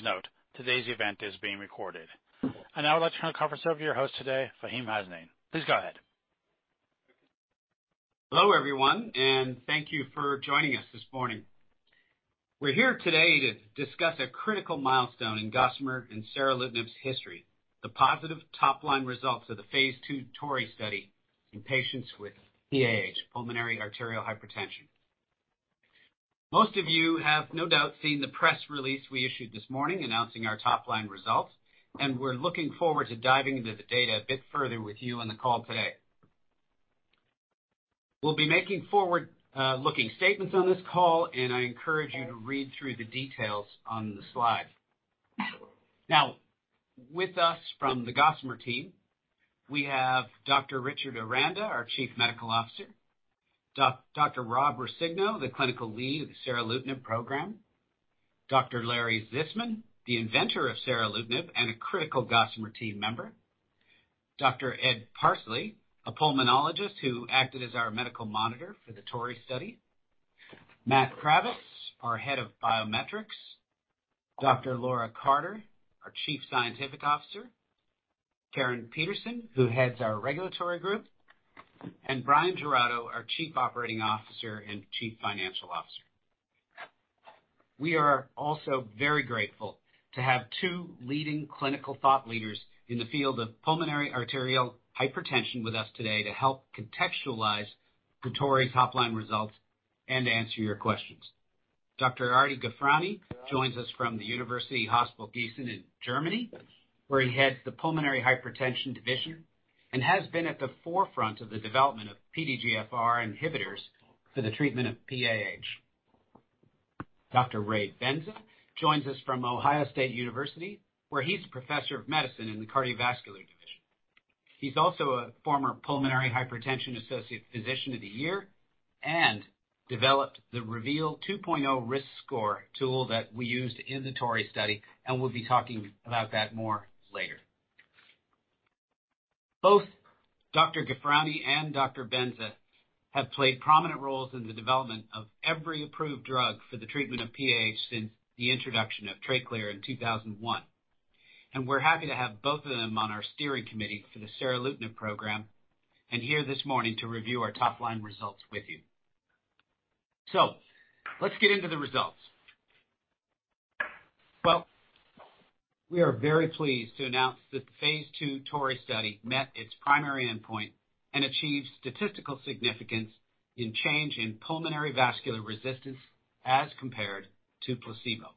Please note, today's event is being recorded. I now would like to turn the conference over to your host today, Faheem Hasnain. Please go ahead. Hello, everyone, and thank you for joining us this morning. We're here today to discuss a critical milestone in Gossamer and Seralutinib's history, the positive top-line results of the phase 2 TORREY study in patients with PAH, pulmonary arterial hypertension. Most of you have no doubt seen the press release we issued this morning announcing our top-line results, and we're looking forward to diving into the data a bit further with you on the call today. We'll be making forward looking statements on this call, and I encourage you to read through the details on the slide. Now, with us from the Gossamer team, we have Dr. Richard Aranda, our Chief Medical Officer, Dr. Rob Rizzino, the Clinical Lead of the Seralutinib program, Dr. Larry Zisman, the inventor of Seralutinib and a critical Gossamer team member, Dr. Ed Parsley, a pulmonologist who acted as our medical monitor for the TORREY study, Matt Cravets, our Head of Biometrics, Dr. Laura Carter, our Chief Scientific Officer, Caryn Peterson, who heads our regulatory group, and Bryan Giraudo, our Chief Operating Officer and Chief Financial Officer. We are also very grateful to have two leading clinical thought leaders in the field of pulmonary arterial hypertension with us today to help contextualize the TORREY's top-line results and to answer your questions. Dr. Ardeschir Ghofrani joins us from the University Hospital Giessen in Germany, where he heads the Pulmonary Hypertension Division and has been at the forefront of the development of PDGFR inhibitors for the treatment of PAH. Dr. Ray Benza joins us from Ohio State University, where he's a Professor of Medicine in the cardiovascular division. He's also a former Pulmonary Hypertension Association Physician of the Year and developed the REVEAL 2.0 risk score tool that we used in the TORREY study, and we'll be talking about that more later. Both Dr. Gafrani and Dr. Benza have played prominent roles in the development of every approved drug for the treatment of PAH since the introduction of Tracleer in 2001. We're happy to have both of them on our steering committee for the Seralutinib program and here this morning to review our top-line results with you. Let's get into the results. Well, we are very pleased to announce that the phase 2 TORREY study met its primary endpoint and achieved statistical significance in change in pulmonary vascular resistance as compared to placebo.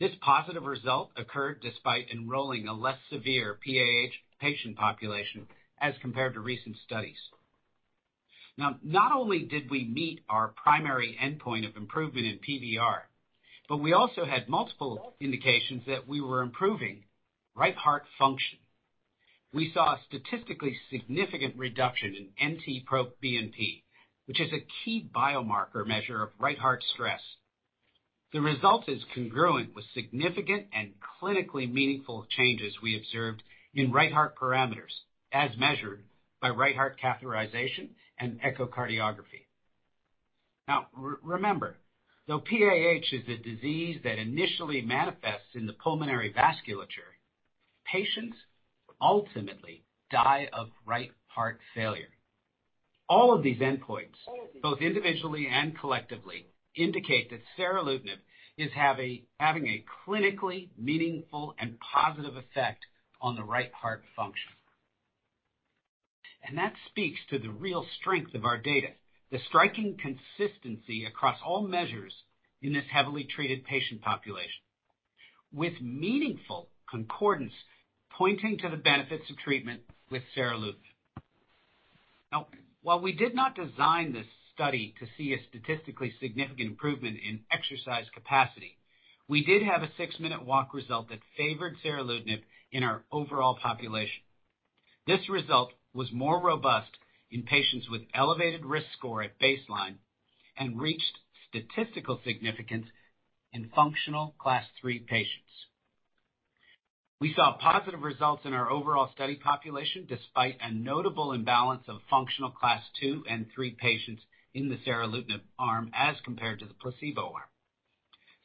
This positive result occurred despite enrolling a less severe PAH patient population as compared to recent studies. Not only did we meet our primary endpoint of improvement in PVR, but we also had multiple indications that we were improving right heart function. We saw a statistically significant reduction in NT-proBNP, which is a key biomarker measure of right heart stress. The result is congruent with significant and clinically meaningful changes we observed in right heart parameters as measured by right heart catheterization and echocardiography. Remember, though PAH is a disease that initially manifests in the pulmonary vasculature, patients ultimately die of right heart failure. All of these endpoints, both individually and collectively, indicate that Seralutinib is having a clinically meaningful and positive effect on the right heart function. That speaks to the real strength of our data, the striking consistency across all measures in this heavily treated patient population, with meaningful concordance pointing to the benefits of treatment with Seralutinib. While we did not design this study to see a statistically significant improvement in exercise capacity, we did have a six-minute walk result that favored Seralutinib in our overall population. This result was more robust in patients with elevated risk score at baseline and reached statistical significance in functional Class three patients. We saw positive results in our overall study population, despite a notable imbalance of functional Class two and three patients in the Seralutinib arm as compared to the placebo arm.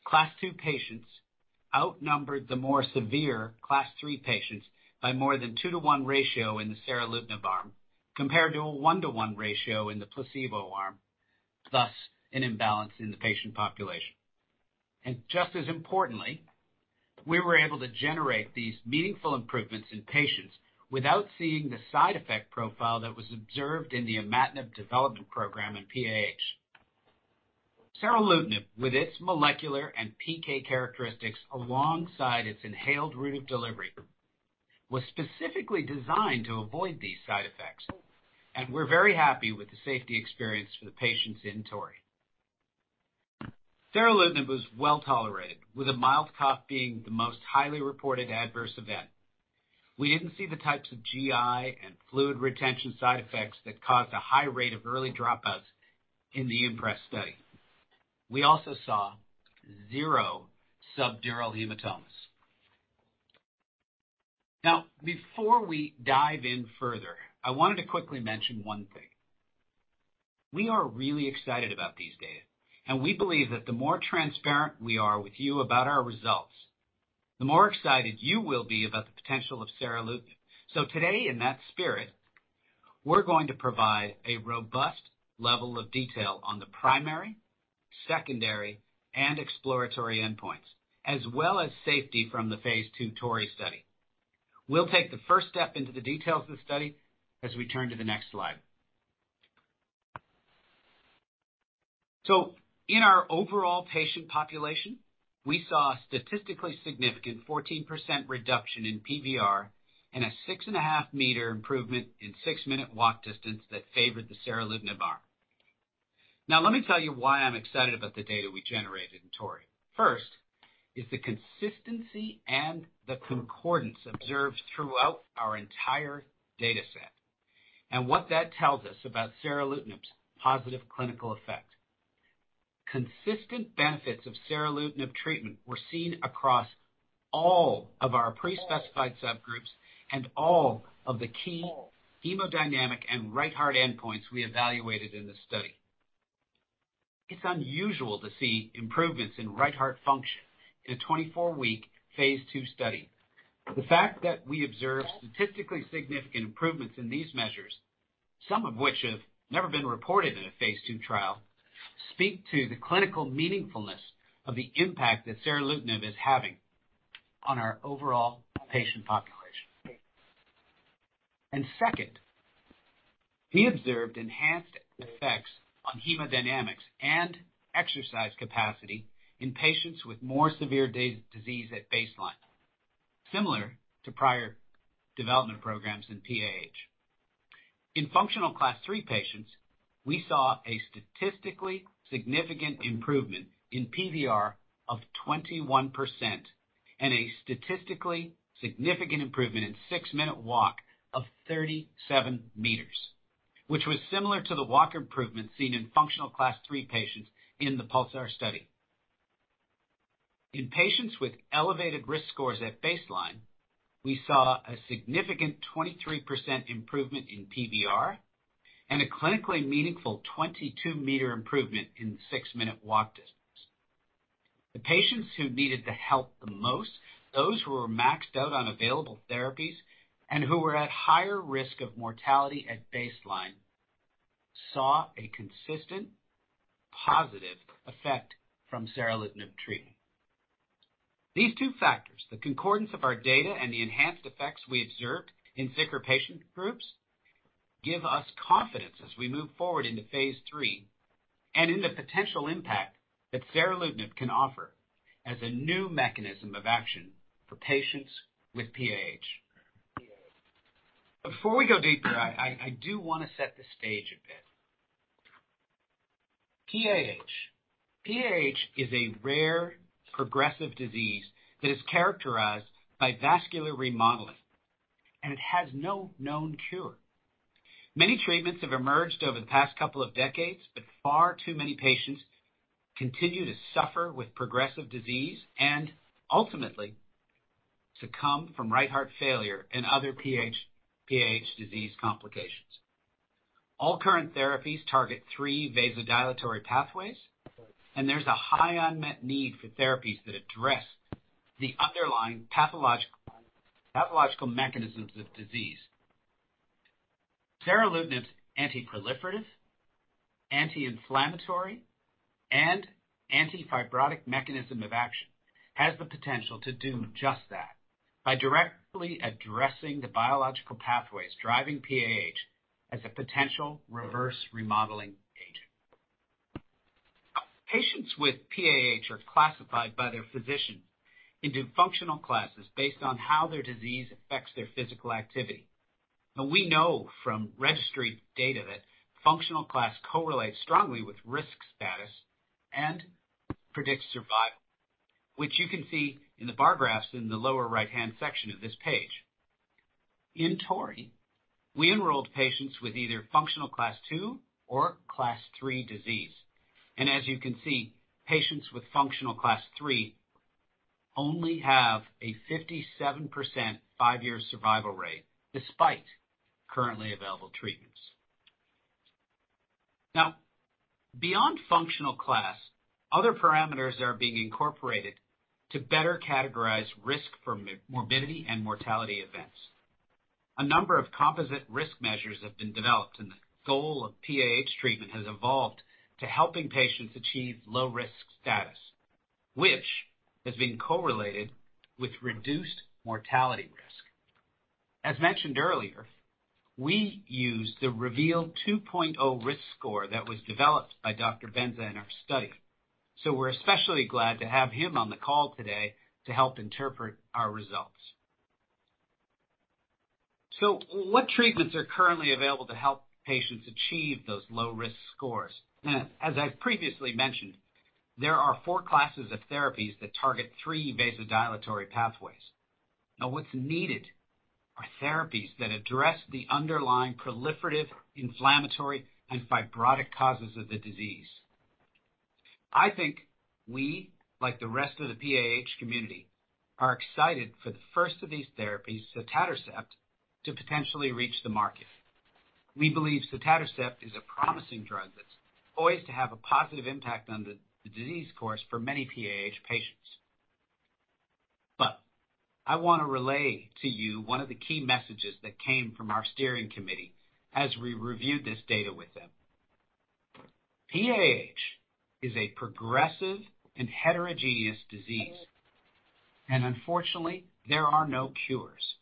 Class two patients outnumbered the more severe Class three patients by more than two-to-one ratio in the Seralutinib arm compared to a one-to-one ratio in the placebo arm, thus an imbalance in the patient population. Just as importantly, we were able to generate these meaningful improvements in patients without seeing the side effect profile that was observed in the Imatinib development program in PAH. Seralutinib, with its molecular and PK characteristics alongside its inhaled route of delivery, was specifically designed to avoid these side effects, and we're very happy with the safety experience for the patients in TORREY. Seralutinib was well-tolerated, with a mild cough being the most highly reported adverse event. We didn't see the types of GI and fluid retention side effects that caused a high rate of early dropouts in the IMPRES study. We also saw zero subdural hematomas. Now, before we dive in further, I wanted to quickly mention one thing. We are really excited about these data and we believe that the more transparent we are with you about our results, the more excited you will be about the potential of Seralutinib. Today, in that spirit, we're going to provide a robust level of detail on the primary, secondary, and exploratory endpoints, as well as safety from the Phase two TORREY study. We'll take the first step into the details of the study as we turn to the next slide. In our overall patient population, we saw a statistically significant 14% reduction in PVR and a 6.5 meter improvement in six-minute walk distance that favored the Seralutinib arm. Now, let me tell you why I'm excited about the data we generated in TORREY. First is the consistency and the concordance observed throughout our entire data set, and what that tells us about Seralutinib's positive clinical effect. Consistent benefits of Seralutinib treatment were seen across all of our pre-specified subgroups and all of the key hemodynamic and right heart endpoints we evaluated in this study. It's unusual to see improvements in right heart function in a 24-week phase two study. The fact that we observed statistically significant improvements in these measures, some of which have never been reported in a phase two trial, speak to the clinical meaningfulness of the impact that Seralutinib is having on our overall patient population. Second, we observed enhanced effects on hemodynamics and exercise capacity in patients with more severe disease at baseline, similar to prior development programs in PAH. In functional Class three patients, we saw a statistically significant improvement in PVR of 21% and a statistically significant improvement in six-minute walk of 37 meters, which was similar to the walk improvement seen in functional Class three patients in the PULSAR study. In patients with elevated risk scores at baseline, we saw a significant 23% improvement in PVR and a clinically meaningful 22 meter improvement in six-minute walk distance. The patients who needed the help the most, those who were maxed out on available therapies and who were at higher risk of mortality at baseline, saw a consistent positive effect from Seralutinib treatment. These two factors, the concordance of our data and the enhanced effects we observed in sicker patient groups, give us confidence as we move forward into phase 3 and in the potential impact that Seralutinib can offer as a new mechanism of action for patients with PAH. Before we go deeper, I do wanna set the stage a bit. PAH. PAH is a rare progressive disease that is characterized by vascular remodeling and it has no known cure. Many treatments have emerged over the past couple of decades, far too many patients continue to suffer with progressive disease and ultimately succumb from right heart failure and other PH, PAH disease complications. All current therapies target three vasodilatory pathways, there's a high unmet need for therapies that address the underlying pathological mechanisms of disease. Seralutinib's anti-proliferative, anti-inflammatory, and anti-fibrotic mechanism of action has the potential to do just that. By directly addressing the biological pathways driving PAH as a potential reverse remodeling agent. Patients with PAH are classified by their physician into functional classes based on how their disease affects their physical activity. Now, we know from registry data that functional class correlates strongly with risk status and predicts survival, which you can see in the bar graphs in the lower right-hand section of this page. In TORREY, we enrolled patients with either functional Class two or Class three disease. As you can see, patients with functional Class three only have a 57% 5-year survival rate despite currently available treatments. Beyond functional class, other parameters are being incorporated to better categorize risk for morbidity and mortality events. A number of composite risk measures have been developed. The goal of PAH treatment has evolved to helping patients achieve low-risk status, which has been correlated with reduced mortality risk. As mentioned earlier, we use the REVEAL 2.0 risk score that was developed by Dr. Benza in our study. We're especially glad to have him on the call today to help interpret our results. What treatments are currently available to help patients achieve those low-risk scores? As I previously mentioned, there are four classes of therapies that target three vasodilatory pathways. What's needed are therapies that address the underlying proliferative, inflammatory, and fibrotic causes of the disease. I think we, like the rest of the PAH community, are excited for the first of these therapies, sotatercept, to potentially reach the market. We believe sotatercept is a promising drug that's poised to have a positive impact on the disease course for many PAH patients. I wanna relay to you one of the key messages that came from our steering committee as we reviewed this data with them. PAH is a progressive and heterogeneous disease, and unfortunately, there are no cures.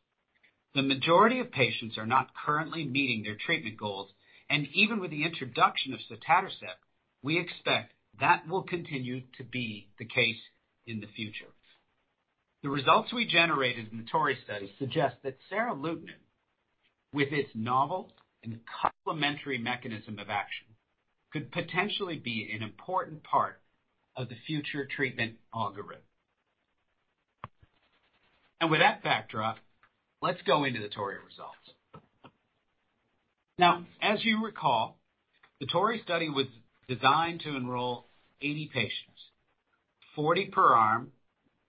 The majority of patients are not currently meeting their treatment goals, and even with the introduction of sotatercept, we expect that will continue to be the case in the future. The results we generated in the TORREY suggest that Seralutinib, with its novel and complementary mechanism of action, could potentially be an important part of the future treatment algorithm. With that backdrop, let's go into the TORREY results. Now, as you recall, the TORREY was designed to enroll 80 patients, 40 per arm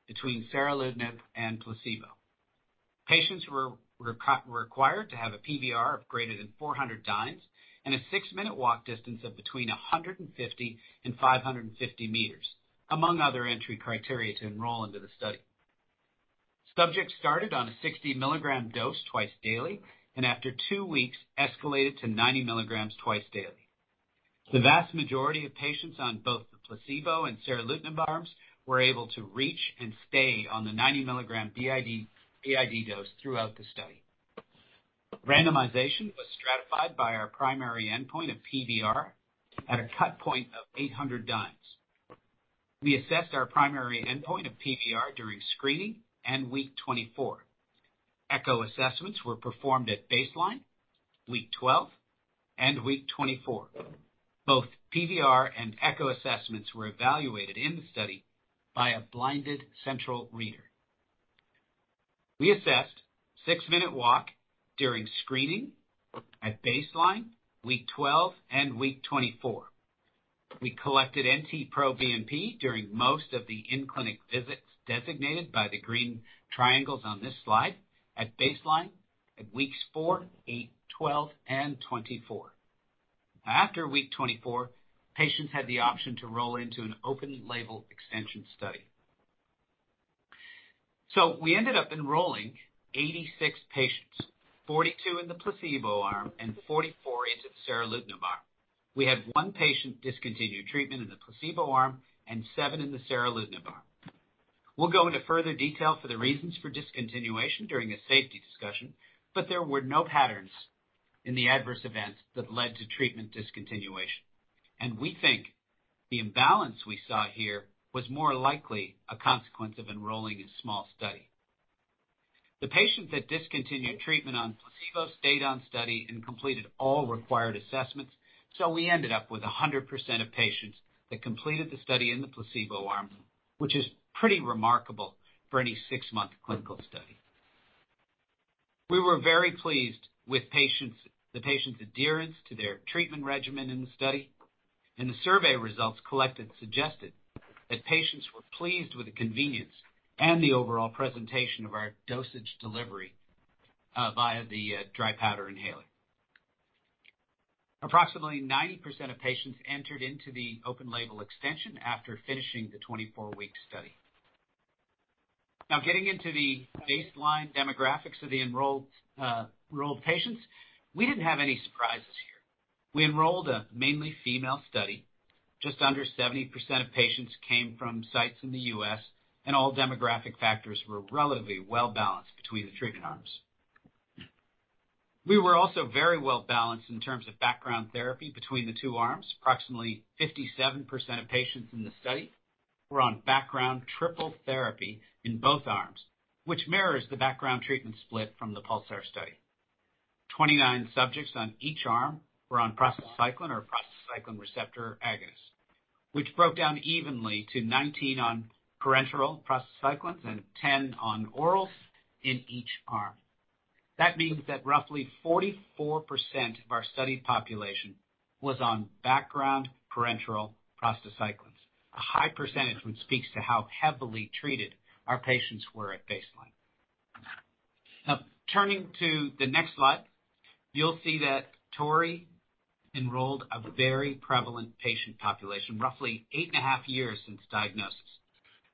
between Seralutinib and placebo. Patients were required to have a PVR of greater than 400 dynes and a 6-minute walk distance of between 150 and 550 meters, among other entry criteria to enroll into the study. Subjects started on a 60 mg dose twice daily, and after two weeks, escalated to 90 mg twice daily. The vast majority of patients on both the placebo and Seralutinib arms were able to reach and stay on the 90 mg BID dose throughout the study. Randomization was stratified by our primary endpoint of PVR at a cut point of 800 dynes. We assessed our primary endpoint of PVR during screening and week 24. Echo assessments were performed at baseline, week 12, and week 24. Both PVR and echo assessments were evaluated in the study by a blinded central reader. We assessed six-minute walk during screening at baseline, week 12, and week 24. We collected NT-proBNP during most of the in-clinic visits designated by the green triangles on this slide at baseline at weeks 4, 8, 12, and 24. After week 24, patients had the option to roll into an open label extension study. We ended up enrolling 86 patients, 42 in the placebo arm and 44 into the Seralutinib arm. We had 1 patient discontinue treatment in the placebo arm and 7 in the Seralutinib arm. We'll go into further detail for the reasons for discontinuation during a safety discussion. There were no patterns in the adverse events that led to treatment discontinuation. We think the imbalance we saw here was more likely a consequence of enrolling a small study. The patients that discontinued treatment on placebo stayed on study and completed all required assessments, so we ended up with 100% of patients that completed the study in the placebo arm, which is pretty remarkable for any six-month clinical study. We were very pleased with the patients' adherence to their treatment regimen in the study, and the survey results collected suggested that patients were pleased with the convenience and the overall presentation of our dosage delivery via the dry powder inhaler. Approximately 90% of patients entered into the open label extension after finishing the 24-week study. Getting into the baseline demographics of the enrolled patients, we didn't have any surprises here. We enrolled a mainly female study. Just under 70% of patients came from sites in the U.S., all demographic factors were relatively well-balanced between the treatment arms. We were also very well-balanced in terms of background therapy between the two arms. Approximately 57% of patients in the study were on background triple therapy in both arms, which mirrors the background treatment split from the PULSAR study. 29 subjects on each arm were on prostacyclin or prostacyclin receptor agonist, which broke down evenly to 19 on parenteral prostacyclin and 10 on orals in each arm. That means that roughly 44% of our study population was on background parenteral prostacyclin, a high percentage which speaks to how heavily treated our patients were at baseline. Turning to the next slide, you'll see that TORREY enrolled a very prevalent patient population, roughly 8.5 years since diagnosis.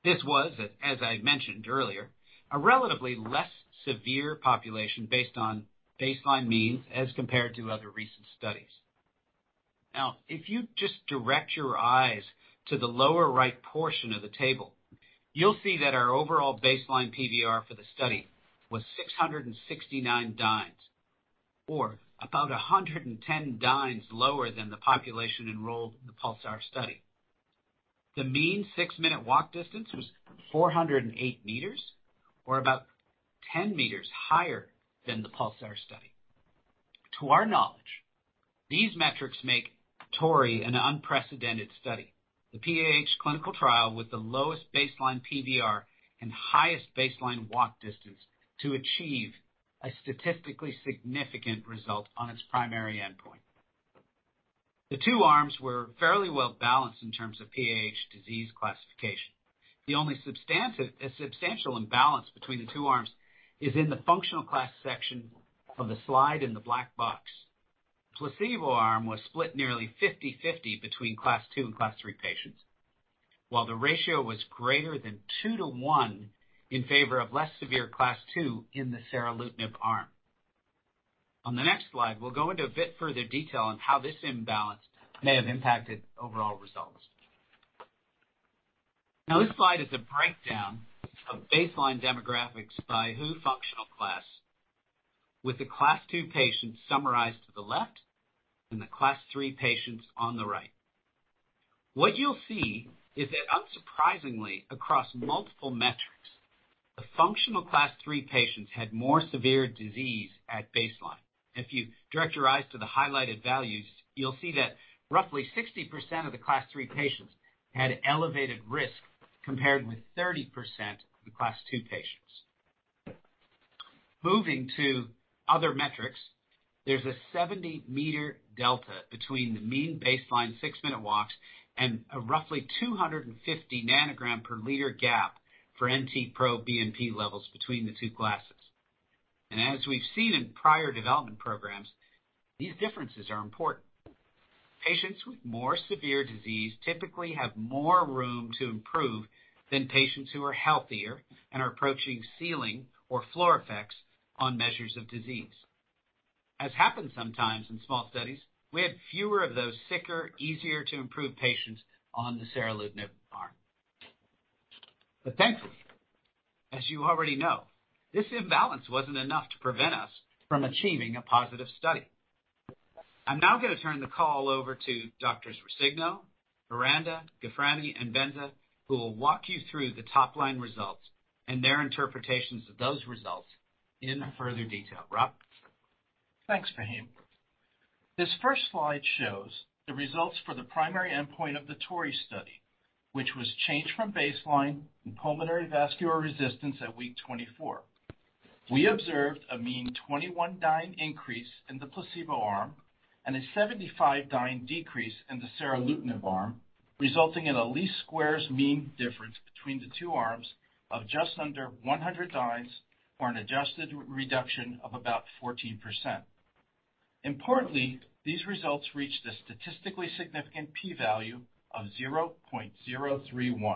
This was, as I mentioned earlier, a relatively less severe population based on baseline means as compared to other recent studies. If you just direct your eyes to the lower right portion of the table, you'll see that our overall baseline PVR for the study was 669 dynes, or about 110 dynes lower than the population enrolled in the PULSAR study. The mean six-minute walk distance was 408 meters, or about 10 meters higher than the PULSAR study. To our knowledge, these metrics make TORREY an unprecedented study. The PAH clinical trial with the lowest baseline PVR and highest baseline walk distance to achieve a statistically significant result on its primary endpoint. The two arms were fairly well-balanced in terms of PAH disease classification. The only substantial imbalance between the two arms is in the functional class section of the slide in the black box. Placebo arm was split nearly 50/50 between Class two and Class three patients. While the ratio was greater than two to one in favor of less severe Class two in the Seralutinib arm. We'll go into a bit further detail on how this imbalance may have impacted overall results. This slide is a breakdown of baseline demographics by WHO functional class, with the Class two patients summarized to the left and the Class three patients on the right. What you'll see is that, unsurprisingly, across multiple metrics, the functional Class three patients had more severe disease at baseline. If you direct your eyes to the highlighted values, you'll see that roughly 60% of the Class 3 patients had elevated risk, compared with 30% of the Class two patients. Moving to other metrics, there's a 70-meter delta between the mean baseline six-minute walks and a roughly 250 nanogram per liter gap for NT-proBNP levels between the two classes. As we've seen in prior development programs, these differences are important. Patients with more severe disease typically have more room to improve than patients who are healthier and are approaching ceiling or floor effects on measures of disease. As happens sometimes in small studies, we had fewer of those sicker, easier-to-improve patients on the Seralutinib arm. Thankfully, as you already know, this imbalance wasn't enough to prevent us from achieving a positive study. I'm now gonna turn the call over to Doctors Rizzini, Aranda, Gefrani, and Benza, who will walk you through the top-line results and their interpretations of those results in further detail. Rob? Thanks, Faheem. This first slide shows the results for the primary endpoint of the TORREY study, which was changed from baseline in pulmonary vascular resistance at week 24. We observed a mean 21 dyne increase in the placebo arm and a 75 dyne decrease in the Seralutinib arm, resulting in a least squares mean difference between the two arms of just under 100 dynes or an adjusted reduction of about 14%. Importantly, these results reached a statistically significant P value of 0.031.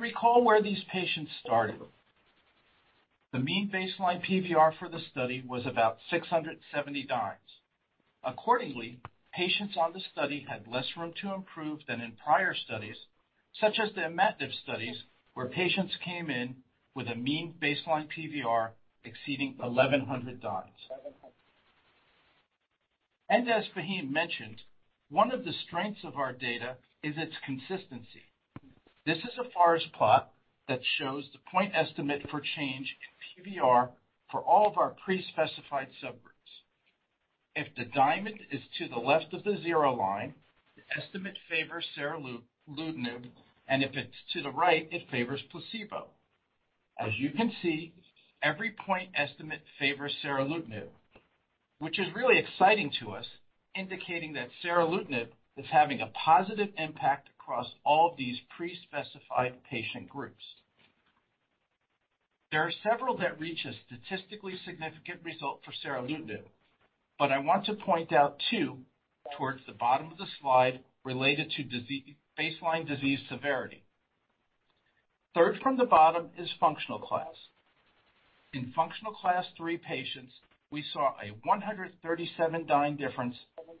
Recall where these patients started. The mean baseline PVR for the study was about 670 dynes. Accordingly, patients on the study had less room to improve than in prior studies such as the Imatinib studies, where patients came in with a mean baseline PVR exceeding 1,100 dynes. As Faheem mentioned, one of the strengths of our data is its consistency. This is a forest plot that shows the point estimate for change in PVR for all of our pre-specified subgroups. If the diamond is to the left of the 0 line, the estimate favors Seralutinib, and if it's to the right, it favors placebo. As you can see, every point estimate favors Seralutinib, which is really exciting to us, indicating that Seralutinib is having a positive impact across all of these pre-specified patient groups. There are several that reach a statistically significant result for Seralutinib, but I want to point out two towards the bottom of the slide related to baseline disease severity. Third from the bottom is functional class. In functional class three patients, we saw a 137 dyne difference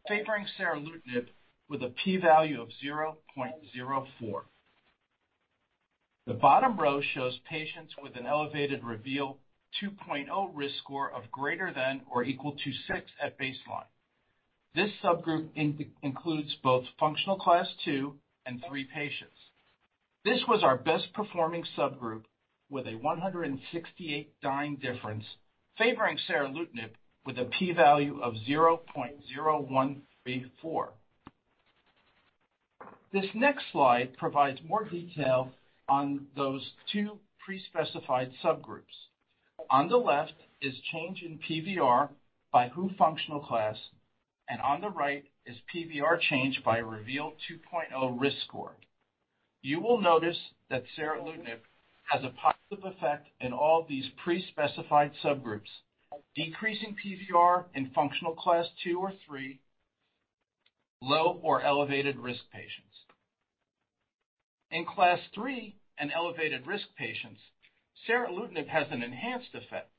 favoring Seralutinib with a P value of 0.04. The bottom row shows patients with an elevated REVEAL 2.0 risk score of greater than or equal to six at baseline. This subgroup includes both functional Class two and three patients. This was our best-performing subgroup with a 168 dyne difference favoring Seralutinib with a P value of 0.0134. This next slide provides more detail on those two pre-specified subgroups. On the left is change in PVR by WHO functional class, and on the right is PVR change by REVEAL 2.0 risk score. You will notice that Seralutinib has a positive effect in all these pre-specified subgroups, decreasing PVR in functional Class two or three, low or elevated risk patients. In Class 3 in elevated risk patients, Seralutinib has an enhanced effect.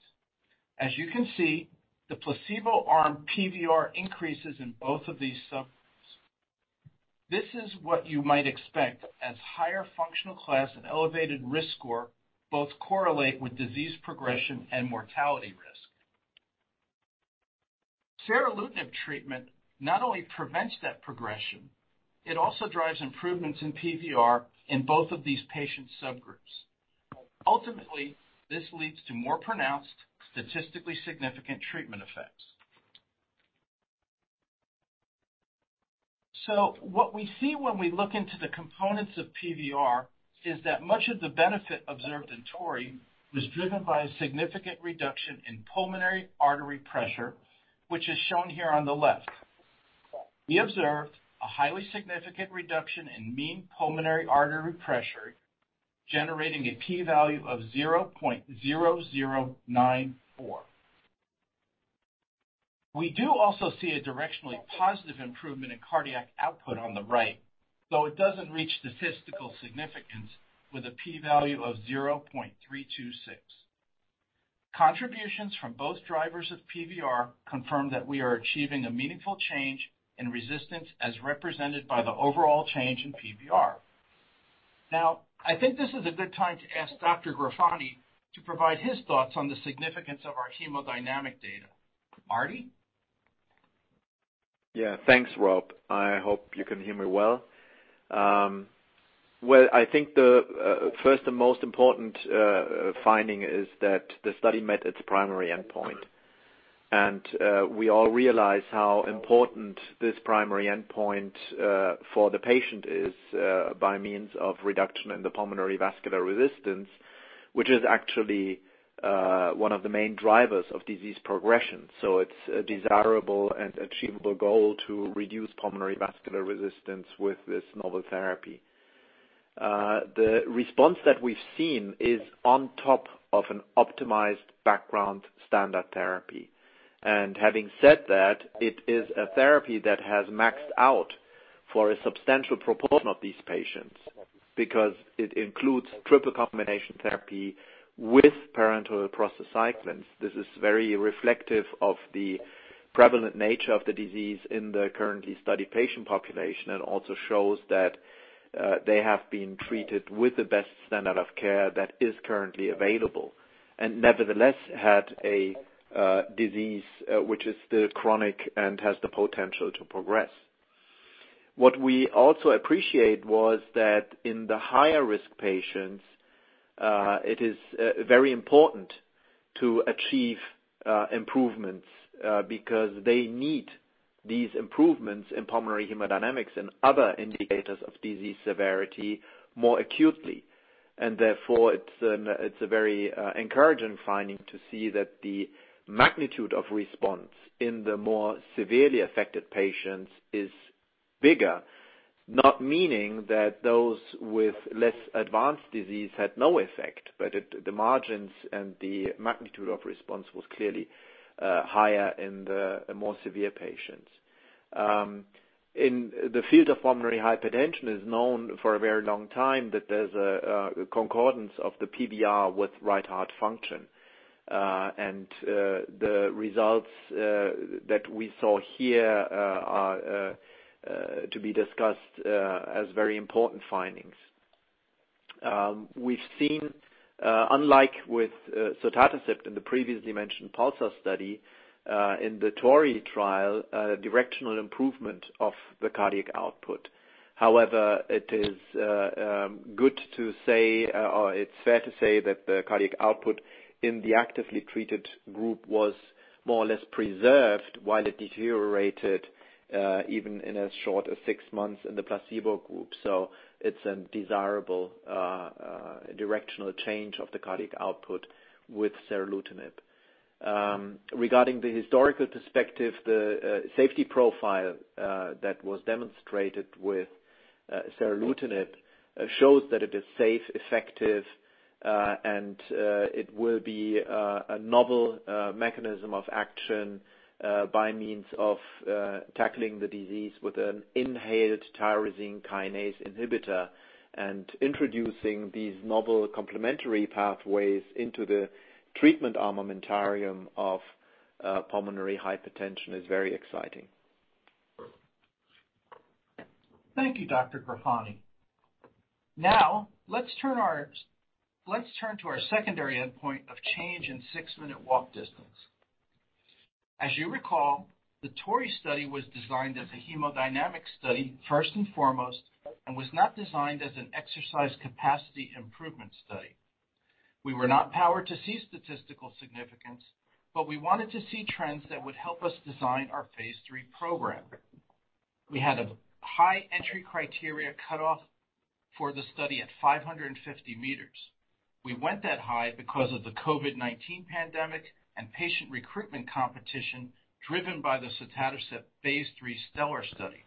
As you can see, the placebo arm PVR increases in both of these subgroups. This is what you might expect, as higher functional class and elevated risk score both correlate with disease progression and mortality risk. Seralutinib treatment not only prevents that progression, it also drives improvements in PVR in both of these patient subgroups. Ultimately, this leads to more pronounced statistically significant treatment effects. What we see when we look into the components of PVR is that much of the benefit observed in TORREY was driven by a significant reduction in pulmonary artery pressure, which is shown here on the left. We observed a highly significant reduction in mean pulmonary artery pressure, generating a p-value of 0.0094. We do also see a directionally positive improvement in cardiac output on the right, though it doesn't reach statistical significance with a p-value of 0.326. Contributions from both drivers of PVR confirm that we are achieving a meaningful change in resistance as represented by the overall change in PVR. I think this is a good time to ask Dr. Ghofrani to provide his thoughts on the significance of our hemodynamic data. Marty? Yeah. Thanks, Rob. I hope you can hear me well. Well, I think the first and most important finding is that the study met its primary endpoint. We all realize how important this primary endpoint for the patient is by means of reduction in the pulmonary vascular resistance, which is actually one of the main drivers of disease progression. It's a desirable and achievable goal to reduce pulmonary vascular resistance with this novel therapy. The response that we've seen is on top of an optimized background standard therapy. Having said that, it is a therapy that has maxed out for a substantial proportion of these patients because it includes triple combination therapy with parenteral prostacyclin. This is very reflective of the prevalent nature of the disease in the currently studied patient population and also shows that, they have been treated with the best standard of care that is currently available, and nevertheless, had a disease which is still chronic and has the potential to progress. What we also appreciate was that in the higher-risk patients, it is very important to achieve improvements, because they need these improvements in pulmonary hemodynamics and other indicators of disease severity more acutely. Therefore it's a, it's a very encouraging finding to see that the magnitude of response in the more severely affected patients is bigger. Not meaning that those with less advanced disease had no effect, but the margins and the magnitude of response was clearly higher in the more severe patients. In the field of pulmonary hypertension is known for a very long time that there's a concordance of the PVR with right heart function. The results that we saw here are to be discussed as very important findings. We've seen, unlike with sotatercept in the previously mentioned PULSAR study, in the TORREY trial, directional improvement of the cardiac output. However, it is good to say, or it's fair to say that the cardiac output in the actively treated group was more or less preserved while it deteriorated, even in as short as 6 months in the placebo group. It's a desirable directional change of the cardiac output with Seralutinib. Regarding the historical perspective, the safety profile that was demonstrated with seralutinib shows that it is safe, effective, and it will be a novel mechanism of action by means of tackling the disease with an inhaled tyrosine kinase inhibitor. Introducing these novel complementary pathways into the treatment armamentarium of pulmonary hypertension is very exciting. Thank you, Dr. Ghofrani. Now let's turn to our secondary endpoint of change in six-minute walk distance. As you recall, the TORREY study was designed as a hemodynamic study first and foremost, and was not designed as an exercise capacity improvement study. We were not powered to see statistical significance, but we wanted to see trends that would help us design our phase three program. We had a high entry criteria cutoff for the study at 550 meters. We went that high because of the COVID-19 pandemic and patient recruitment competition driven by the sotatercept phase 3 STELLAR study.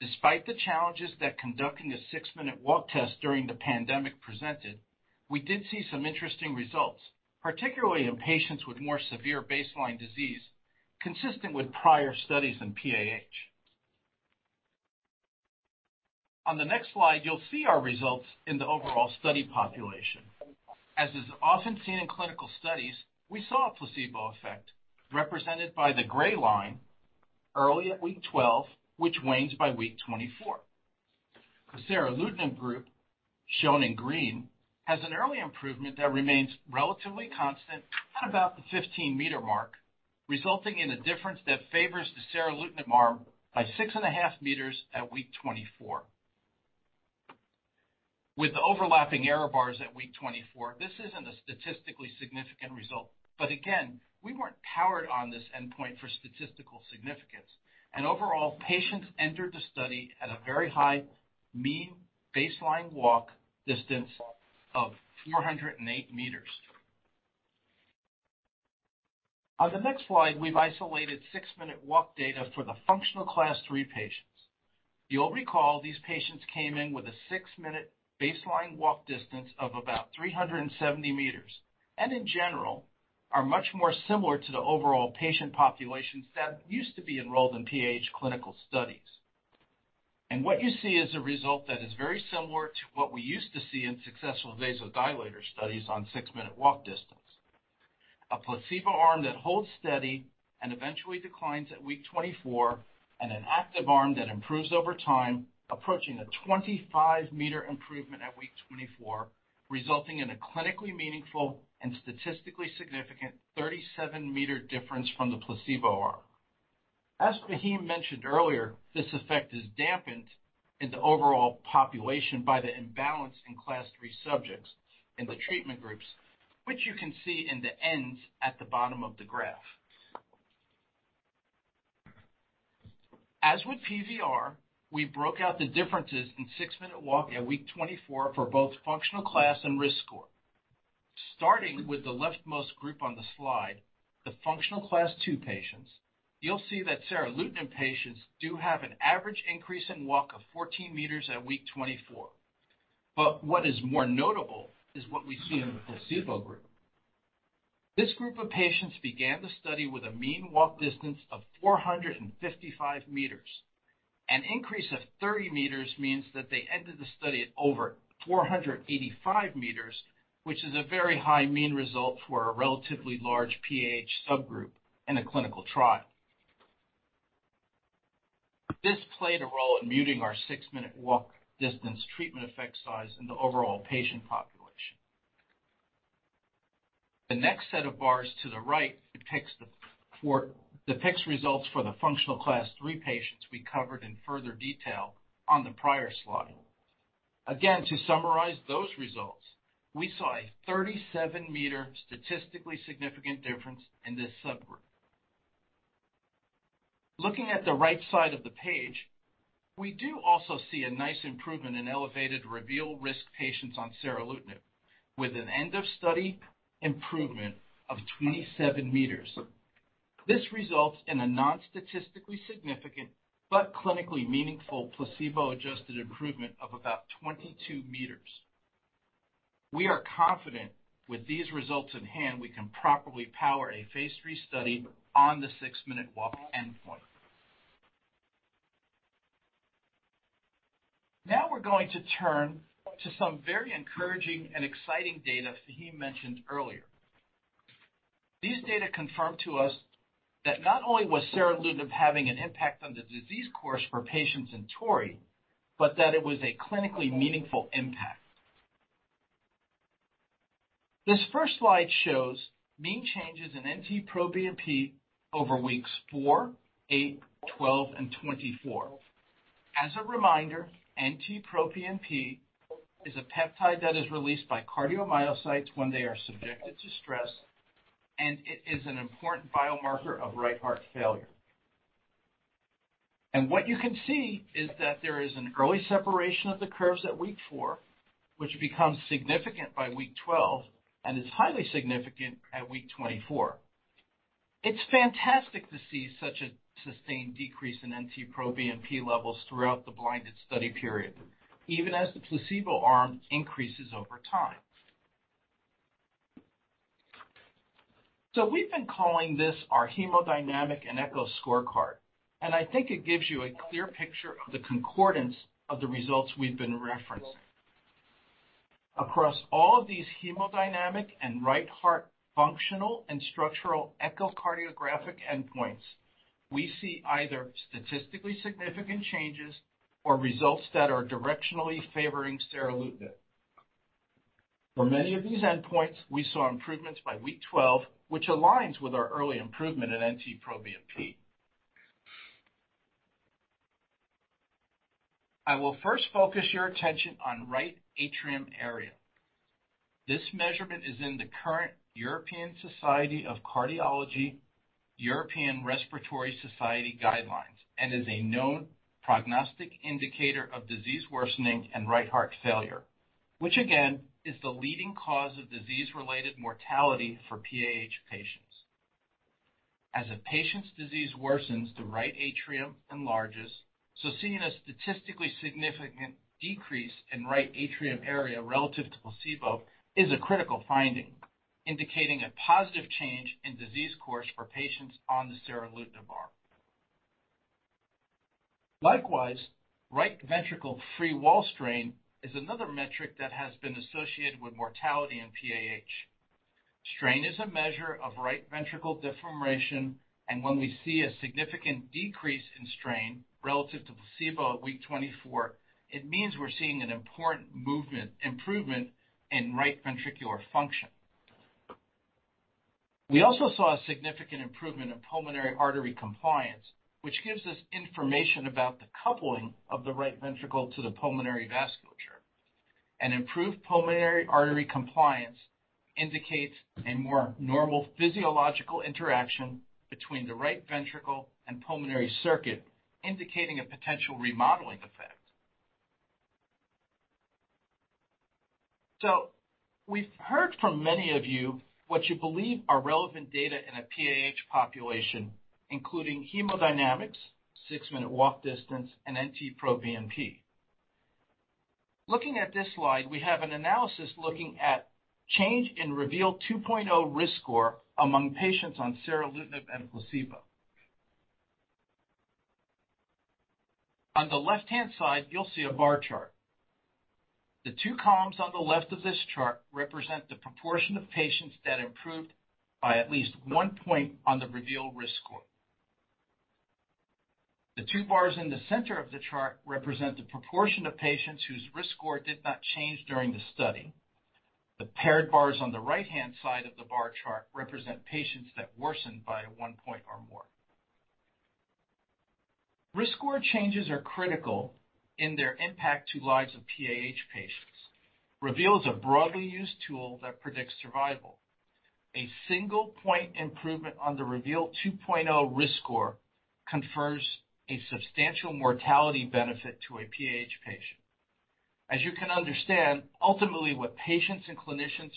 Despite the challenges that conducting a six-minute walk test during the pandemic presented, we did see some interesting results, particularly in patients with more severe baseline disease consistent with prior studies in PAH. On the next slide, you'll see our results in the overall study population. As is often seen in clinical studies, we saw a placebo effect represented by the gray line early at week 12, which wanes by week 24. The Seralutinib group, shown in green, has an early improvement that remains relatively constant at about the 15-meter mark, resulting in a difference that favors the Seralutinib arm by 6.5 meters at week 24. With the overlapping error bars at week 24, this isn't a statistically significant result. Again, we weren't powered on this endpoint for statistical significance. Overall, patients entered the study at a very high mean baseline walk distance of 408 meters. On the next slide, we've isolated 6-minute walk data for the functional Class 3 patients. You'll recall these patients came in with a 6-minute baseline walk distance of about 370 meters, and in general, are much more similar to the overall patient populations that used to be enrolled in PAH clinical studies. What you see is a result that is very similar to what we used to see in successful vasodilator studies on 6-minute walk distance. A placebo arm that holds steady and eventually declines at week 24, and an active arm that improves over time, approaching a 25 meter improvement at week 24, resulting in a clinically meaningful and statistically significant 37 meter difference from the placebo arm. As Fahim mentioned earlier, this effect is dampened in the overall population by the imbalance in Class 3 subjects in the treatment groups, which you can see in the ends at the bottom of the graph. As with PVR, we broke out the differences in six-minute walk at week 24 for both functional class and risk score. Starting with the leftmost group on the slide, the functional class two patients, you'll see that Seralutinib patients do have an average increase in walk of 14 meters at week 24. What is more notable is what we see in the placebo group. This group of patients began the study with a mean walk distance of 455 meters. An increase of 30 meters means that they ended the study at over 485 meters, which is a very high mean result for a relatively large PAH subgroup in a clinical trial. This played a role in muting our six-minute walk distance treatment effect size in the overall patient population. The next set of bars to the right depicts results for the functional Class three patients we covered in further detail on the prior slide. To summarize those results, we saw a 37 meter statistically significant difference in this subgroup. Looking at the right side of the page, we do also see a nice improvement in elevated REVEAL risk patients on Seralutinib with an end of study improvement of 27 meters. This results in a non-statistically significant but clinically meaningful placebo-adjusted improvement of about 22 meters. We are confident with these results in hand, we can properly power a phase three study on the 6-minute walk endpoint. We're going to turn to some very encouraging and exciting data Faheem mentioned earlier. These data confirm to us that not only was Seralutinib having an impact on the disease course for patients in TORREY, but that it was a clinically meaningful impact. This first slide shows mean changes in NT-proBNP over weeks four, eight, 12, and 24. As a reminder, NT-proBNP is a peptide that is released by cardiomyocytes when they are subjected to stress, and it is an important biomarker of right heart failure. What you can see is that there is an early separation of the curves at week 4, which becomes significant by week 12 and is highly significant at week 24. It's fantastic to see such a sustained decrease in NT-proBNP levels throughout the blinded study period, even as the placebo arm increases over time. We've been calling this our hemodynamic and echo scorecard, and I think it gives you a clear picture of the concordance of the results we've been referencing. Across all of these hemodynamic and right heart functional and structural echocardiographic endpoints, we see either statistically significant changes or results that are directionally favoring Seralutinib. For many of these endpoints, we saw improvements by week 12, which aligns with our early improvement in NT-proBNP. I will first focus your attention on right atrium area. This measurement is in the current European Society of Cardiology, European Respiratory Society guidelines and is a known prognostic indicator of disease worsening and right heart failure, which again, is the leading cause of disease-related mortality for PAH patients. As a patient's disease worsens, the right atrium enlarges, seeing a statistically significant decrease in right atrium area relative to placebo is a critical finding, indicating a positive change in disease course for patients on the Seralutinib arm. Right ventricle free wall strain is another metric that has been associated with mortality in PAH. Strain is a measure of right ventricle deformation, when we see a significant decrease in strain relative to placebo at week 24, it means we're seeing an important improvement in right ventricular function. We also saw a significant improvement in pulmonary artery compliance, which gives us information about the coupling of the right ventricle to the pulmonary vasculature. Improved pulmonary artery compliance indicates a more normal physiological interaction between the right ventricle and pulmonary circuit, indicating a potential remodeling effect. We've heard from many of you what you believe are relevant data in a PAH population, including hemodynamics, six-minute walk distance, and NT-proBNP. Looking at this slide, we have an analysis looking at change in REVEAL 2.0 risk score among patients on Seralutinib and placebo. On the left-hand side, you'll see a bar chart. The two columns on the left of this chart represent the proportion of patients that improved by at least 1 point on the REVEAL risk score. The two bars in the center of the chart represent the proportion of patients whose risk score did not change during the study. The paired bars on the right-hand side of the bar chart represent patients that worsened by 1 point or more. Risk score changes are critical in their impact to lives of PAH patients. REVEAL is a broadly used tool that predicts survival. A single point improvement on the REVEAL 2.0 risk score confers a substantial mortality benefit to a PAH patient. As you can understand, ultimately, what patients and clinicians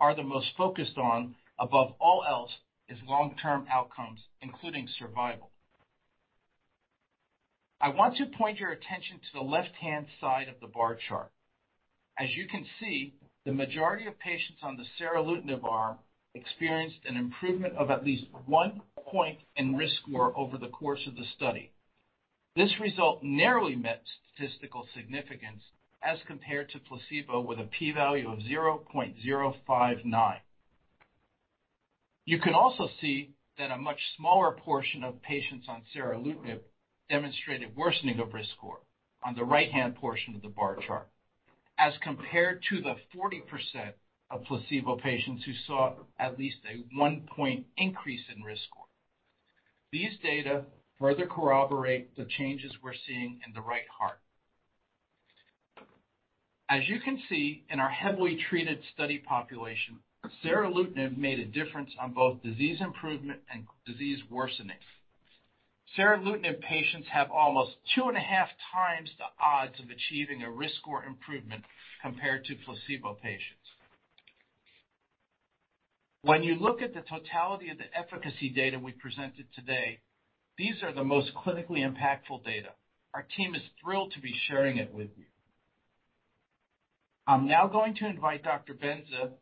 are the most focused on above all else is long-term outcomes, including survival. I want to point your attention to the left-hand side of the bar chart. As you can see, the majority of patients on the Seralutinib arm experienced an improvement of at least 1 point in risk score over the course of the study. This result narrowly met statistical significance as compared to placebo with a p-value of 0.059. You can also see that a much smaller portion of patients on Seralutinib demonstrated worsening of risk score on the right-hand portion of the bar chart, as compared to the 40% of placebo patients who saw at least a 1-point increase in risk score. These data further corroborate the changes we're seeing in the right heart. As you can see in our heavily treated study population, Seralutinib made a difference on both disease improvement and disease worsening. Seralutinib patients have almost 2.5 times the odds of achieving a risk score improvement compared to placebo patients. When you look at the totality of the efficacy data we presented today, these are the most clinically impactful data. Our team is thrilled to be sharing it with you. I'm now going to invite Dr. Benza,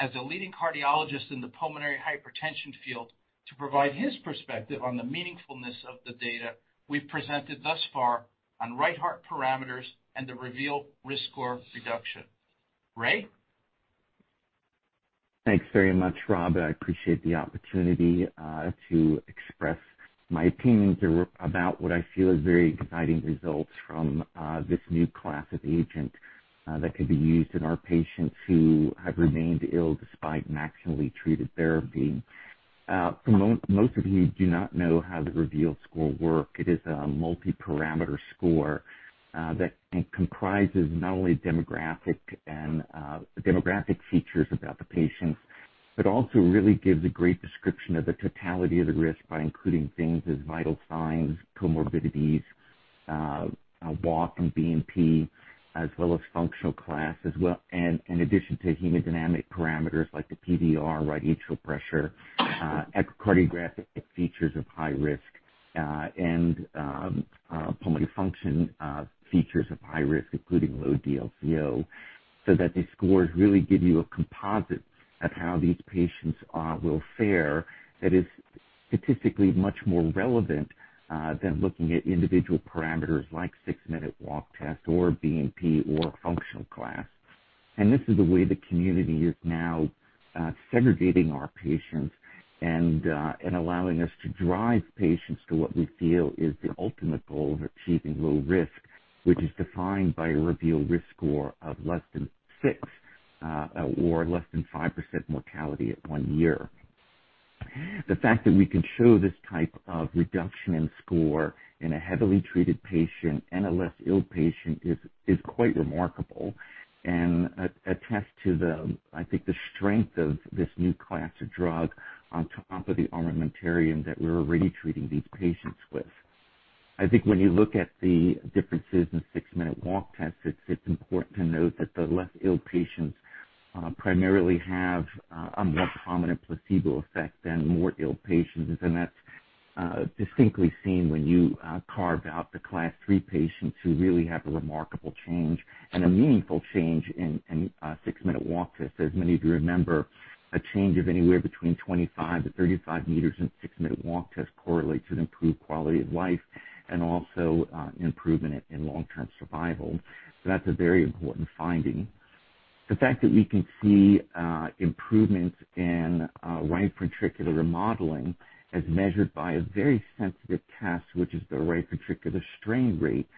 as a leading cardiologist in the pulmonary hypertension field, to provide his perspective on the meaningfulness of the data we've presented thus far on right heart parameters and the REVEAL risk score reduction. Ray? Thanks very much, Rob. I appreciate the opportunity, to express my opinions about what I feel is very exciting results from this new class of agent, that could be used in our patients who have remained ill despite maximally treated therapy. For most of you who do not know how the REVEAL score work, it is a multiparameter score that comprises not only demographic and demographic features about the patients, but also really gives a great description of the totality of the risk by including things as vital signs, comorbidities, walk and BNP, as well as functional class, and in addition to hemodynamic parameters like the PVR, right atrial pressure, echocardiographic features of high risk, and pulmonary function features of high risk, including low DLCO, so that these scores really give you a composite of how these patients will fare that is statistically much more relevant than looking at individual parameters like six-minute walk test or BNP or functional class. This is the way the community is now segregating our patients and allowing us to drive patients to what we feel is the ultimate goal of achieving low risk, which is defined by a REVEAL risk score of less than 6 or less than 5% mortality at one year. The fact that we can show this type of reduction in score in a heavily treated patient and a less ill patient is quite remarkable and attests to the, I think the strength of this new class of drug on top of the armamentarium that we're already treating these patients with. I think when you look at the differences in 6-minute walk tests, it's important to note that the less ill patients primarily have a more prominent placebo effect than more ill patients. That's distinctly seen when you carve out the Class three patients who really have a remarkable change and a meaningful change in six-minute walk tests. As many of you remember, a change of anywhere between 25-35 meters in six-minute walk test correlates with improved quality of life and also improvement in long-term survival. That's a very important finding. The fact that we can see improvements in right ventricular remodeling as measured by a very sensitive test, which is the right ventricular strain rate,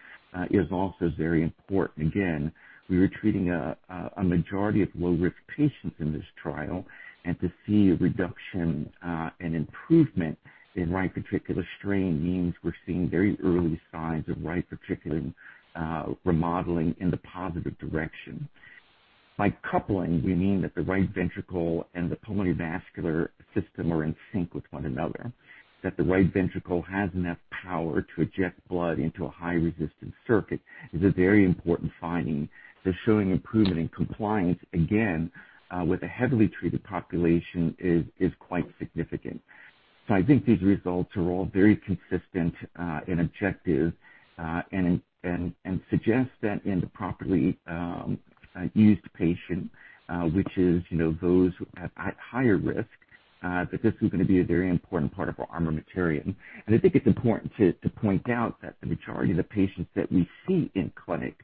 is also very important. Again, we were treating a majority of low-risk patients in this trial, and to see a reduction and improvement in right ventricular strain means we're seeing very early signs of right ventricular remodeling in the positive direction. By coupling, we mean that the right ventricle and the pulmonary vascular system are in sync with one another. That the right ventricle has enough power to eject blood into a high resistance circuit is a very important finding. Showing improvement in compliance, again, with a heavily treated population is quite significant. I think these results are all very consistent and objective and suggest that in the properly used patient, which is, you know, those at higher risk, that this is gonna be a very important part of our armamentarium. I think it's important to point out that the majority of the patients that we see in clinic